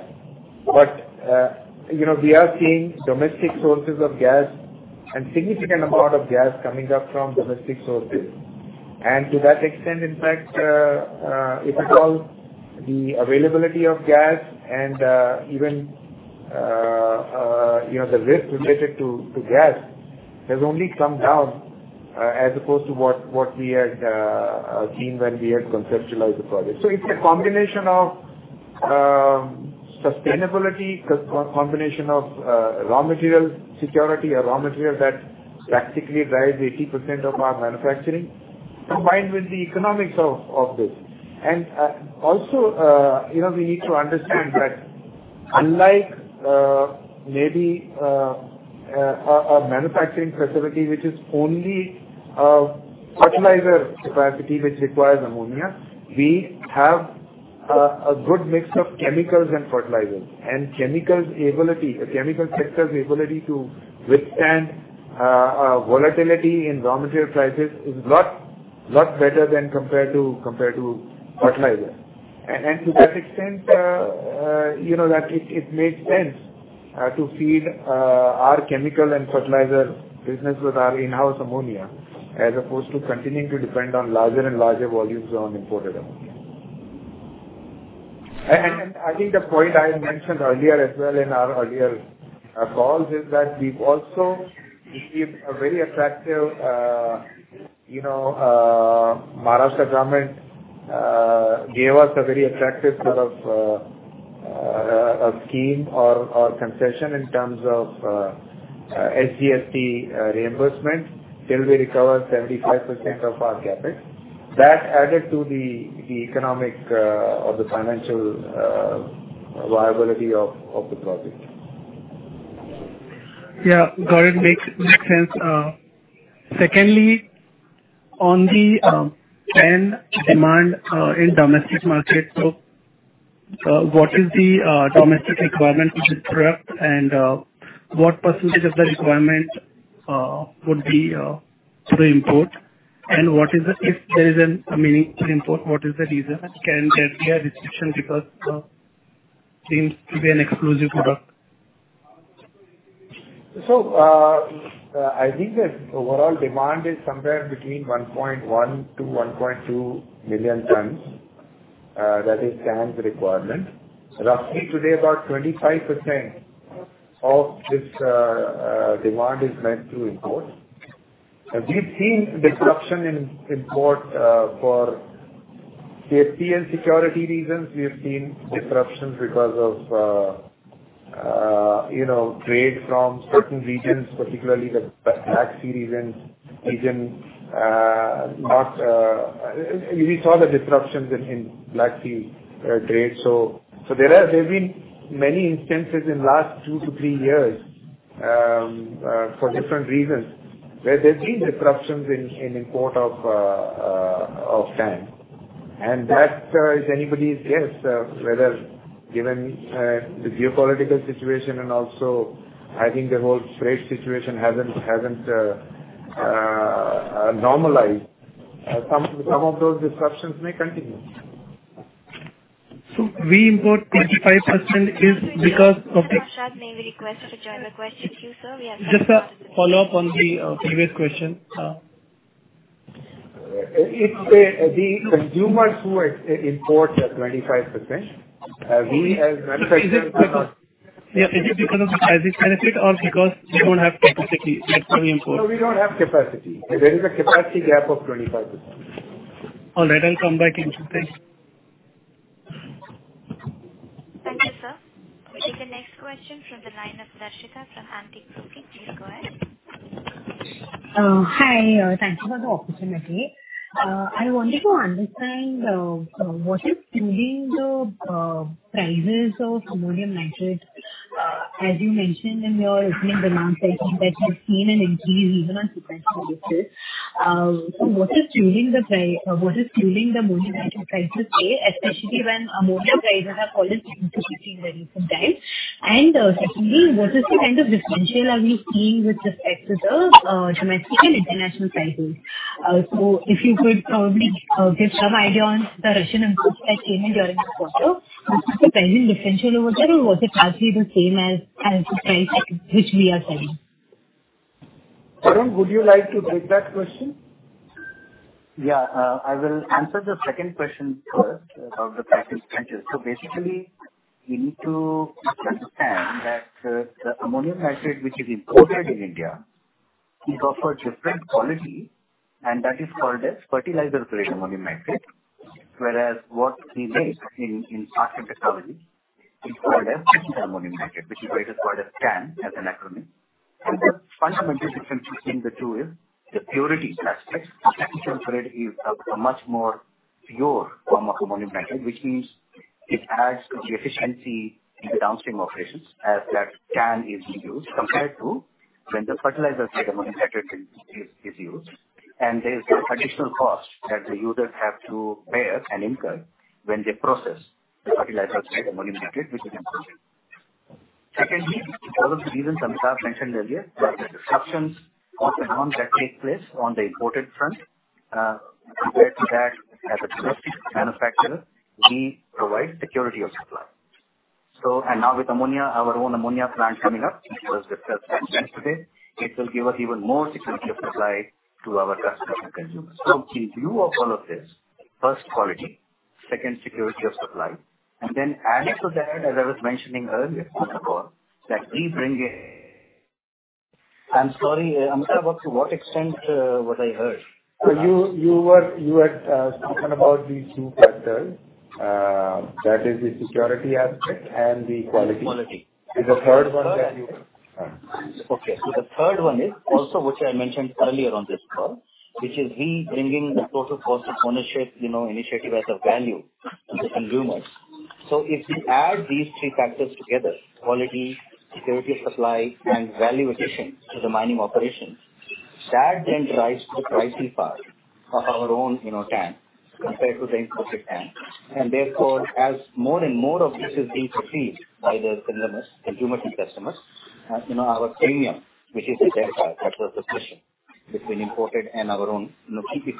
we are seeing domestic sources of gas and significant amount of gas coming up from domestic sources. To that extent, in fact, if you call the availability of gas and even the risk related to gas has only come down as opposed to what we had seen when we had conceptualized the project. It's a combination of sustainability, combination of raw material security or raw material that practically drives 80% of our manufacturing, combined with the economics of this. also we need to understand that unlike maybe a manufacturing facility which is only a fertilizer capacity which requires ammonia, we have a good mix of chemicals and fertilizers. A chemical sector's ability to withstand volatility in raw material prices is lot better than compared to fertilizer. And, and to that extent that it, it made sense to feed our chemical and fertilizer business with our in-house ammonia, as opposed to continuing to depend on larger and larger volumes on imported ammonia. And, and, and I think the point I had mentioned earlier as well in our earlier calls is that we've also received a very attractive Maharashtra government gave us a very attractive sort of scheme or concession in terms of SCLCSS reimbursement till we recover seventy-five percent of our CapEx. That added to the, the economic or the financial viability of, of the project. Yeah. Got it. Makes sense. Secondly, on the TAN demand in domestic market. What is the domestic requirement of the product? What percentage of the requirement would be through import? What is the risk there is an, a meaning to import, what is the reason? Can there be a restriction because seems to be an exclusive product? I think that overall demand is somewhere between 1.1 million-1.2 million tons, that is TAN's requirement. Roughly today, about 25% of this demand is meant to import. We've seen disruption in import for safety and security reasons. We have seen disruptions because of trade from certain regions, particularly the Black Sea region. We saw the disruptions in Black Sea trade. There's been many instances in last 2-3 years for different reasons, where there's been disruptions in import of TAN. That is anybody's guess whether given the geopolitical situation and also I think the whole trade situation hasn't normalized. Some of those disruptions may continue. we import 25% is because of. Sir, we have Abhimanyu Kasliwal request to join the question queue, sir. Just a follow-up on the previous question. It's the consumers who import the 25%. We as manufacturers Yeah. Is it because of the price benefit or because you don't have capacity import? No, we don't have capacity. There is a capacity gap of 25%. All right. I'll come back in touch. Thanks. Thank you, sir. We take the next question from the line of Darshita from Antique Brokers. Please go ahead. Hi. Thank you for the opportunity. I wanted to understand what is driving the prices of Ammonium Nitrate. As you mentioned in your opening remarks, I think that you've seen an increase even on sequential basis. What is driving the Ammonium Nitrate prices today, especially when Ammonia prices have fallen significantly in recent times. Secondly, what is the kind of differential are we seeing with respect to the domestic and international prices? If you could probably give some idea on the Russian imports that came in during this quarter, what is the pricing differential over there, or was it largely the same as the price at which we are selling? Arun, would you like to take that question? I will answer the second question first about the pricing structure. Basically you need to understand that the Ammonium Nitrate which is imported in India is of a different quality, and that is called as Fertilizer Grade Ammonium Nitrate. Whereas what we make in RAK and technology is called as Technical Ammonium Nitrate, which is why it is called as TAN as an acronym. The fundamental difference between the two is the purity aspects. The technical grade is a much more pure form of Ammonium Nitrate, which means it adds to the efficiency in the downstream operations as that TAN is used, compared to when the Fertilizer Grade Ammonium Nitrate is used. There is an additional cost that the users have to bear and incur when they process the Fertilizer Grade Ammonium Nitrate, which is imported. Secondly, for all of the reasons Amitabh mentioned earlier, there are disruptions of the ones that take place on the imported front, compared to that as a trusted manufacturer, we provide security of supply. Now with ammonia, our own ammonia plant coming up, which was discussed at length today, it will give us even more security of supply to our customers and consumers. In view of all of this, first quality, second security of supply, and then added to that, as I was mentioning earlier on the call, that we bring I'm sorry, Amitabh, to what extent was I heard? You were talking about these two factors, that is the security aspect and the quality. Quality. The third one that you. Okay. The third one is also, which I mentioned earlier on this call, which is we bringing the Total Cost of ownership initiative as a value to consumers. If you add these three factors together, quality, security of supply, and value addition to the mining operations, that then drives the pricing power of our own TAN compared to the imported TAN. Therefore, as more and more of this is being perceived by the consumers, consumer end customers our premium, which is the delta at the position between imported and our own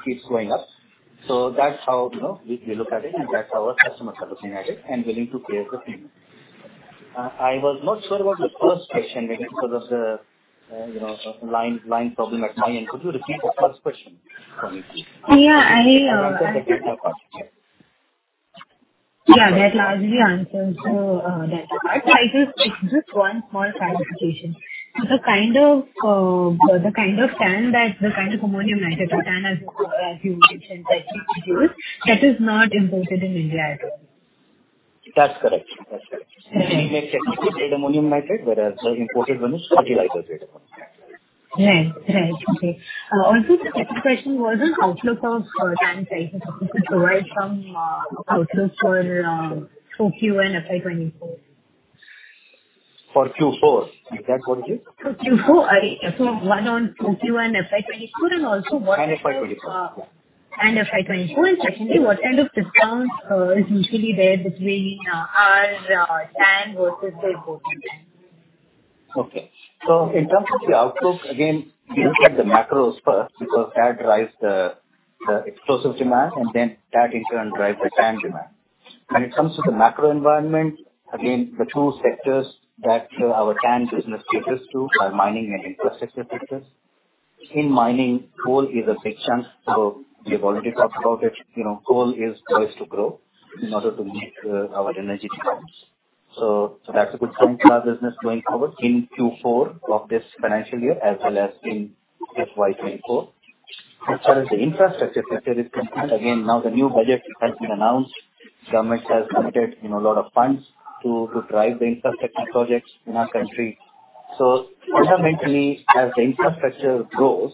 keeps going up. That's how we look at it, and that's how our customers are looking at it and willing to pay a premium. I was not sure about the first question because of the line problem at my end. Could you repeat the first question for me? Yeah. I. The second part. Yeah. That largely answers to that. I just one small clarification. The kind of TAN that, the kind of Ammonium Nitrate or TAN, as you mentioned that you use, that is not imported in India at all? That's correct. That's correct. Okay. We make technical grade Ammonium Nitrate, whereas the imported one is Fertilizer Grade Ammonium Nitrate. Right. Right. Okay. Also the second question was on outlook of TAN prices. If you could provide some outlook for for Q and FY 2024. For Q four. Is that what? For Q4. one on Q and FY24, and also FY 2024. Yeah. FY 2024. Secondly, what end of discounts is usually there between our TAN versus the imported TAN? Okay. In terms of the outlook, again, we look at the macros first because that drives the explosive demand, and then that in turn drives the TAN demand. When it comes to the macro environment, again, the two sectors that our TAN business caters to are mining and infrastructure sectors. In mining, coal is a big chunk, so we have already talked about it. Coal is poised to grow in order to meet our energy demands. That's a good sign for our business going forward in Q4 of this financial year as well as in FY 2024. As far as the infrastructure sector is concerned, again, the new budget has been announced. Government has committed a lot of funds to drive the infrastructure projects in our country. Fundamentally, as the infrastructure grows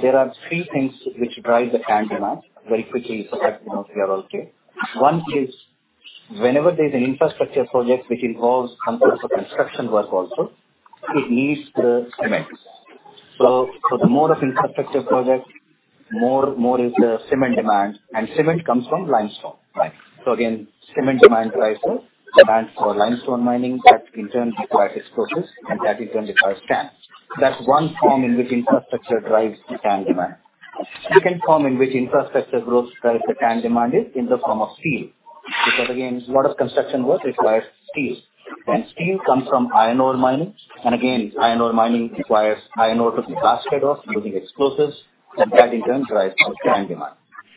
there are three things which drive the TAN demand very quickly. Okay. One is whenever there's an infrastructure project which involves some sort of construction work also, it needs the cement. For the more of infrastructure project, more is the cement demand, and cement comes from limestone, right? Again, cement demand drives the demand for limestone mining that in turn requires explosives, and that in turn requires TAN. That's one form in which infrastructure drives the TAN demand. Second form in which infrastructure growth drives the TAN demand is in the form of steel. Again, a lot of construction work requires steel, and steel comes from iron ore mining. Again, iron ore mining requires iron ore to be blasted off using explosives, and that in turn drives the TAN demand.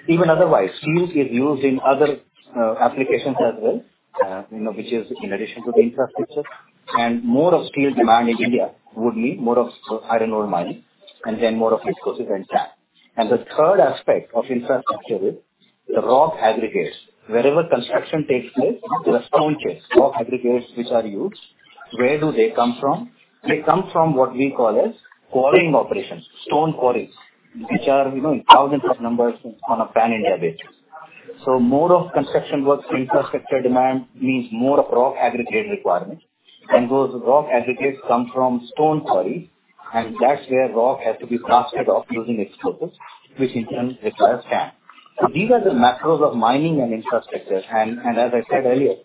Even otherwise, steel is used in other applications as well which is in addition to the infrastructure. More of steel demand in India would mean more of iron ore mining, then more of explosives and TAN. The third aspect of infrastructure is the rock aggregates. Wherever construction takes place, there are stone aggregates which are used. Where do they come from? They come from what we call as quarrying operations. Stone quarries, which are in thousands of numbers on a Pan India basis. More of construction works, infrastructure demand means more of rock aggregate requirement. Those rock aggregates come from stone quarries, and that's where rock has to be blasted off using explosives, which in turn requires TAN. These are the macros of mining and infrastructure. As I said earlier,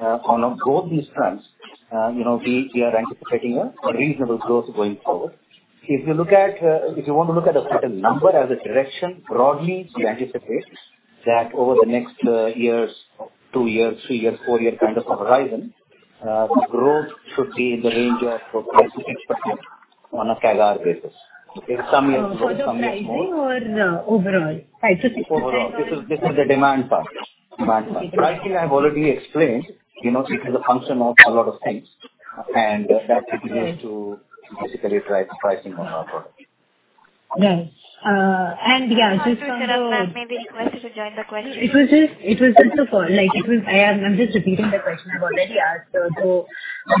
on both these fronts we are anticipating a reasonable growth going forward. If you look at. If you want to look at a certain number as a direction, broadly we anticipate that over the next years, two years, three years, four years kind of a horizon, the growth should be in the range of what we are expecting on a CAGR basis. Okay. Some years grow, some years more. For the pricing or overall? Sorry. Overall. This is the demand part. Pricing I've already explained. it is a function of a lot of things, and that continues to basically drive the pricing on our product. Right. Yeah, just. I want to It was just, I'm just repeating the question I've already asked. The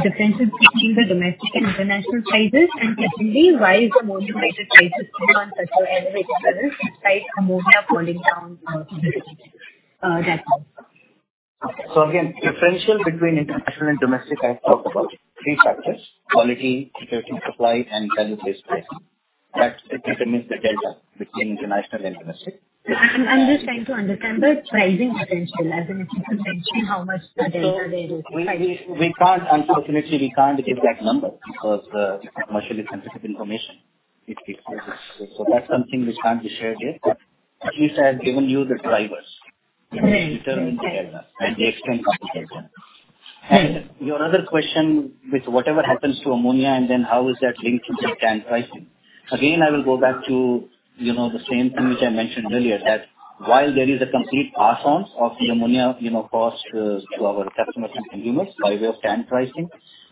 difference between the domestic and international prices, and secondly, why is the multinational prices demand such a elevated status despite ammonia falling down in the region? That's all. Again, differential between international and domestic, I've talked about 3 factors: quality, security of supply, and value-based pricing. That determines the delta between international and domestic. I'm just trying to understand the pricing potential. As in if you can mention how much the delta there is. We can't. Unfortunately, we can't give that number because commercially sensitive information is required. That's something which can't be shared here. At least I have given you the drivers. Right. Which determine the delta and the extent of the delta. Your other question with whatever happens to ammonia and then how is that linked to the TAN pricing. Again, I will go back to the same thing which I mentioned earlier. That while there is a complete pass on of the ammonia cost to our customers and consumers by way of TAN pricing,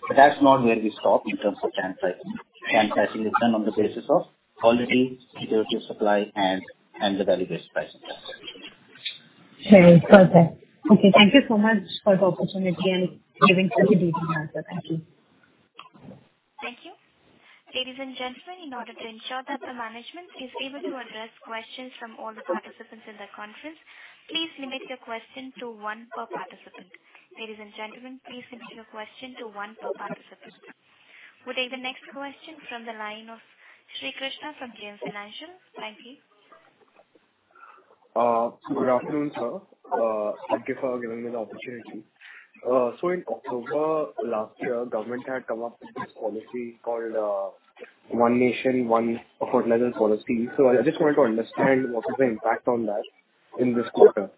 but that's not where we stop in terms of TAN pricing. TAN pricing is done on the basis of quality, security of supply and the value-based pricing. Right. Got that. Okay, thank you so much for the opportunity and giving such a detailed answer. Thank you. Thank you. Ladies and gentlemen, in order to ensure that the management is able to address questions from all the participants in the conference, please limit your question to one per participant. Ladies and gentlemen, please limit your question to one per participant. We'll take the next question from the line of Krishnachandra Parwani from JM Financial. Thank you. Good afternoon, sir. Thank you for giving me the opportunity. In October last year, Government had come up with this policy called One Nation One Fertilizer policy. I just wanted to understand what is the impact on that in this quarter.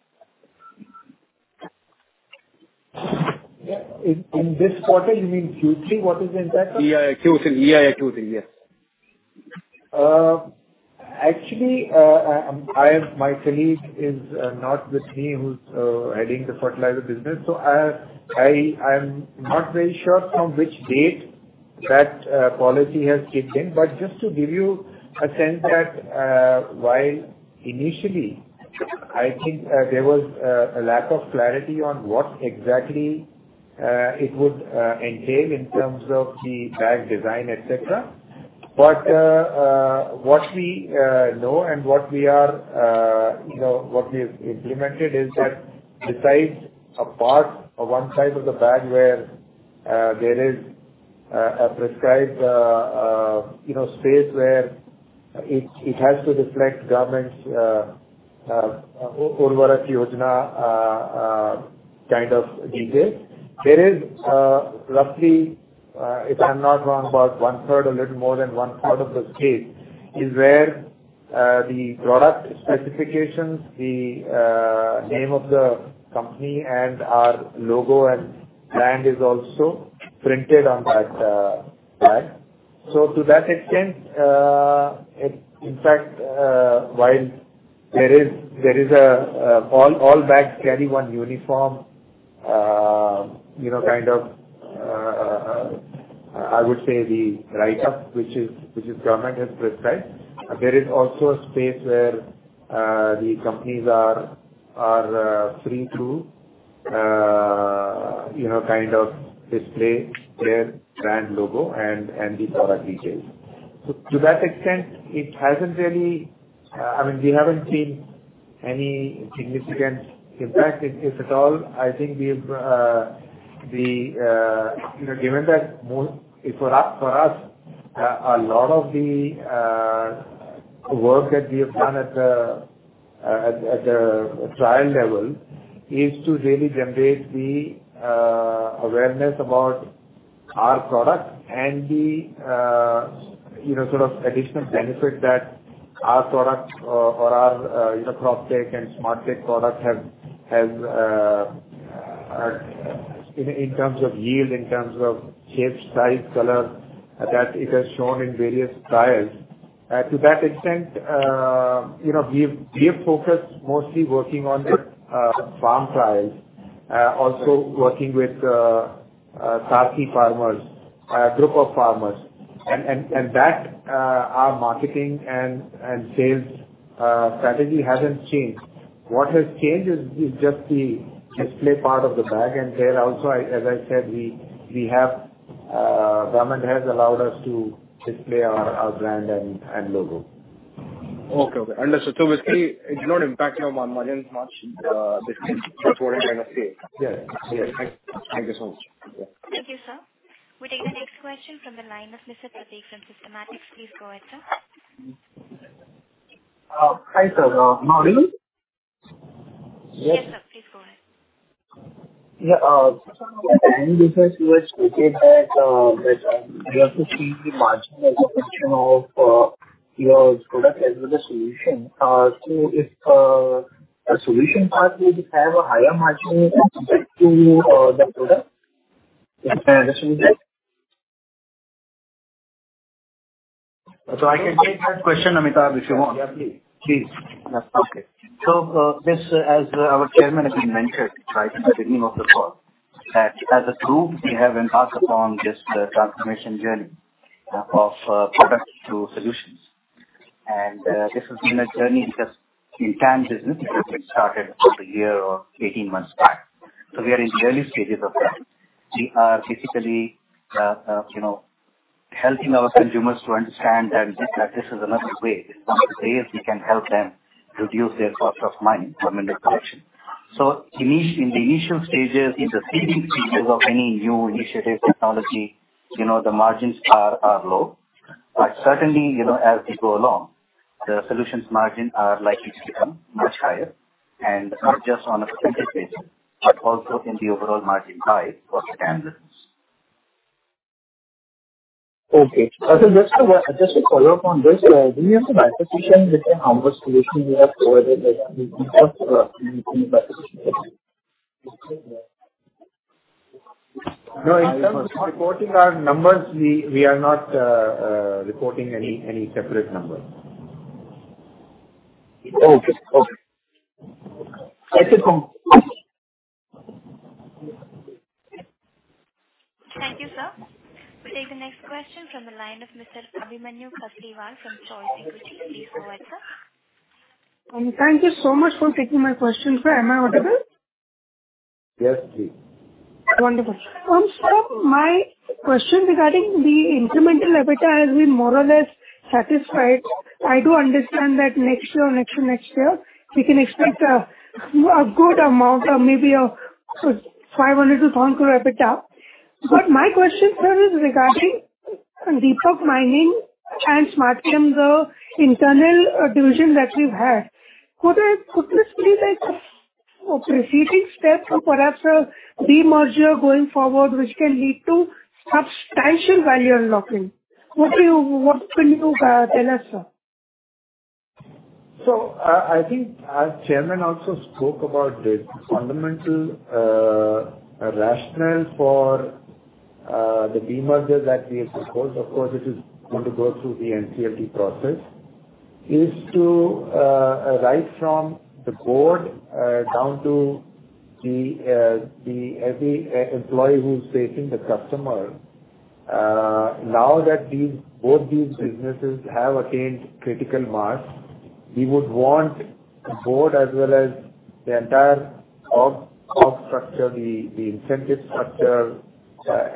In this quarter, you mean Q3, what is the impact, sir? Yeah. Q3. Yes Actually, my colleague is not with me who is heading the fertilizer business. So I am not very sure from which date that policy has kicked in. But just to give you a sense that while initially I think there was a lack of clarity on what exactly it would entail in terms of the bag design, etc. But what we know and what we have what we have implemented is that besides a part or one side of the bag where there is a prescribed space where it has to reflect government's Pradhan Mantri Bhartiya Jan Urvarak Pariyojana kind of detail. There is roughly, if I am not wrong, about one-third, a little more than one-third of the space is where The product specifications, the name of the company and our logo and brand is also printed on that bag. To that extent, it's in fact, while there is a all bags carry one uniform kind of, I would say the write-up, which is government has prescribed. There is also a space where the companies are free to kind of display their brand logo and the product details. To that extent, it hasn't really. I mean, we haven't seen any significant impact. If at all, I think we've the given that most. For us, a lot of the work that we have done at the trial level is to really generate the awareness about our product and the sort of additional benefit that our product or our Croptek and Smartek products has, in terms of yield, in terms of shape, size, color, that it has shown in various trials. To that extent we have focused mostly working on the farm trials, also working with turnkey farmers, group of farmers. That our marketing and sales strategy hasn't changed. What has changed is just the display part of the bag. There also, as I said, we have, government has allowed us to display our brand and logo. Okay. Understood. Basically it's not impacting our margins much, between reporting and escape. Yeah. Yeah. Thank you so much. Yeah. Thank you, sir. We take the next question from the line of Mr. Prateek from Systematix. Please go ahead, sir. Hi, sir. Madan? Yes. Yes, sir. Please go ahead. Yeah. Madan, because you had stated that, you have to change the margin as a function of, your product as well as solution. If a solution part will have a higher margin with respect to the product, can I assume that? I can take that question, Amitabh, if you want. Yeah, please. Please. Okay. This, as our chairman has been mentioned right at the beginning of the call, that as a group, we have embarked upon this transformation journey of product to solutions. This has been a journey just in TAN business, which we started over a year or 18 months back. We are in the early stages of that. We are basically helping our consumers to understand that this is another way. This is one of the ways we can help them reduce their cost of mining from under production. In the initial stages, in the seeding stages of any new initiative technology the margins are low. certainly as we go along, the solutions margin are likely to become much higher, and not just on a % basis, but also in the overall margin guide for TAN business. Okay. Just a follow-up on this. Do you have some acquisition with how much solution you have provided, like? No. In terms of reporting our numbers, we are not reporting any separate numbers. Okay. Thank you, sir. We take the next question from the line of Mr. Abhimanyu Kasliwal from Choice Broking. Please go ahead, sir. Thank you so much for taking my question, sir. Am I audible? Yes, please. Wonderful. Sir, my question regarding the incremental EBITDA has been more or less satisfied. I do understand that next year, next to next year, we can expect a good amount or maybe 500 to 4 crore rupees EBITDA. My question, sir, is regarding Deepak Mining and Smartchem, the internal division that you have. Could this be like a preceding step or perhaps a demerger going forward which can lead to substantial value unlocking? What will you tell us, sir? I think our chairman also spoke about the fundamental rationale for the demerger that we have proposed. Of course, it is going to go through the NCLT process, is to right from the board, down to the every e-employee who's facing the customer. Now that these, both these businesses have attained critical mass, we would want the board as well as the entire org structure, the incentive structure,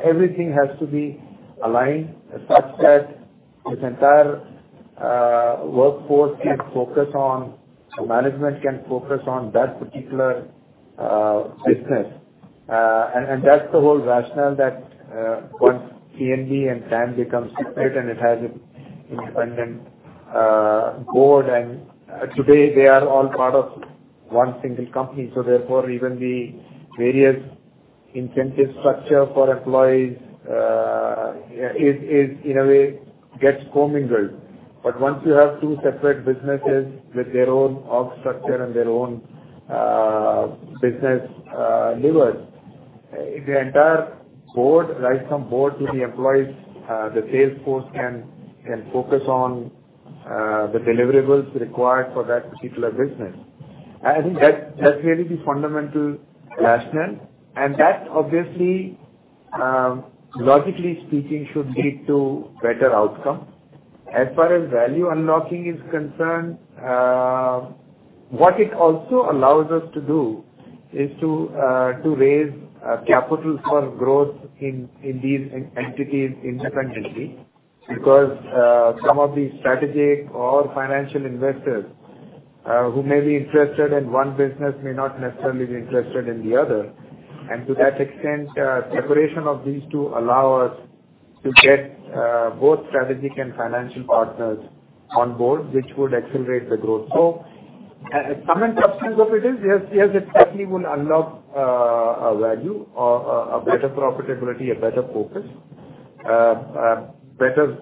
everything has to be aligned such that this entire workforce can focus on, management can focus on that particular business. That's the whole rationale that once CNB and TAN become separate and it has its independent board. And today they are all part of one single company, so therefore even the various incentive structure for employees is in a way gets commingled. Once you have two separate businesses with their own org structure and their own business levers, if the entire board, right from board to the employees, the sales force can focus on the deliverables required for that particular business. I think that's really the fundamental rationale. That obviously, logically speaking, should lead to better outcome. As far as value unlocking is concerned, what it also allows us to do is to raise capital for growth in these entities independently. Because some of these strategic or financial investors, who may be interested in one business may not necessarily be interested in the other. To that extent, separation of these two allow us to get both strategic and financial partners on board, which would accelerate the growth. At some instances of it is, yes, it certainly will unlock a value or a better profitability, a better focus, better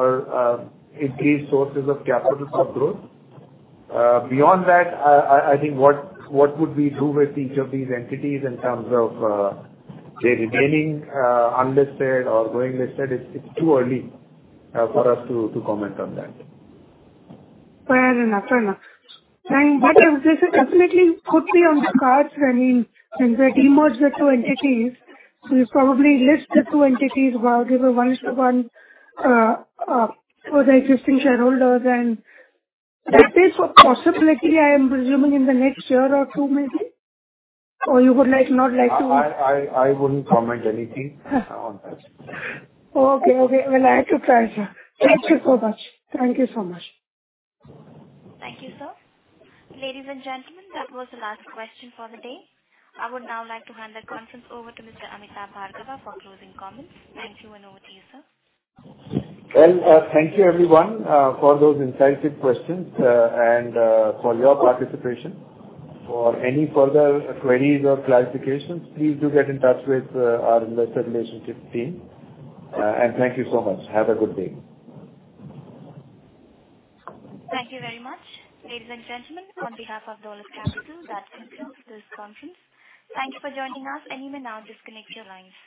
or increased sources of capital for growth. Beyond that, I think what would we do with each of these entities in terms of they remaining unlisted or going listed, it's too early for us to comment on that. Fair enough. Fair enough. This is definitely could be on the cards when they demerge the 2 entities. You'll probably list the 2 entities while give a 1-to-1 for the existing shareholders. That is a possibility I am presuming in the next year or 2 maybe, or you would not like to. I wouldn't comment anything. Uh. on that. Okay. Well, I took try, sir. Thank you so much. Thank you so much. Thank you, sir. Ladies and gentlemen, that was the last question for the day. I would now like to hand the conference over to Mr. Amitabh Bhargava for closing comments. Thank you, and over to you, sir. Well, thank you everyone, for those insightful questions, and for your participation. For any further queries or clarifications, please do get in touch with our investor relationship team. Thank you so much. Have a good day. Thank you very much. Ladies and gentlemen, on behalf of Dolat Capital, that concludes this conference. Thank you for joining us and you may now disconnect your lines.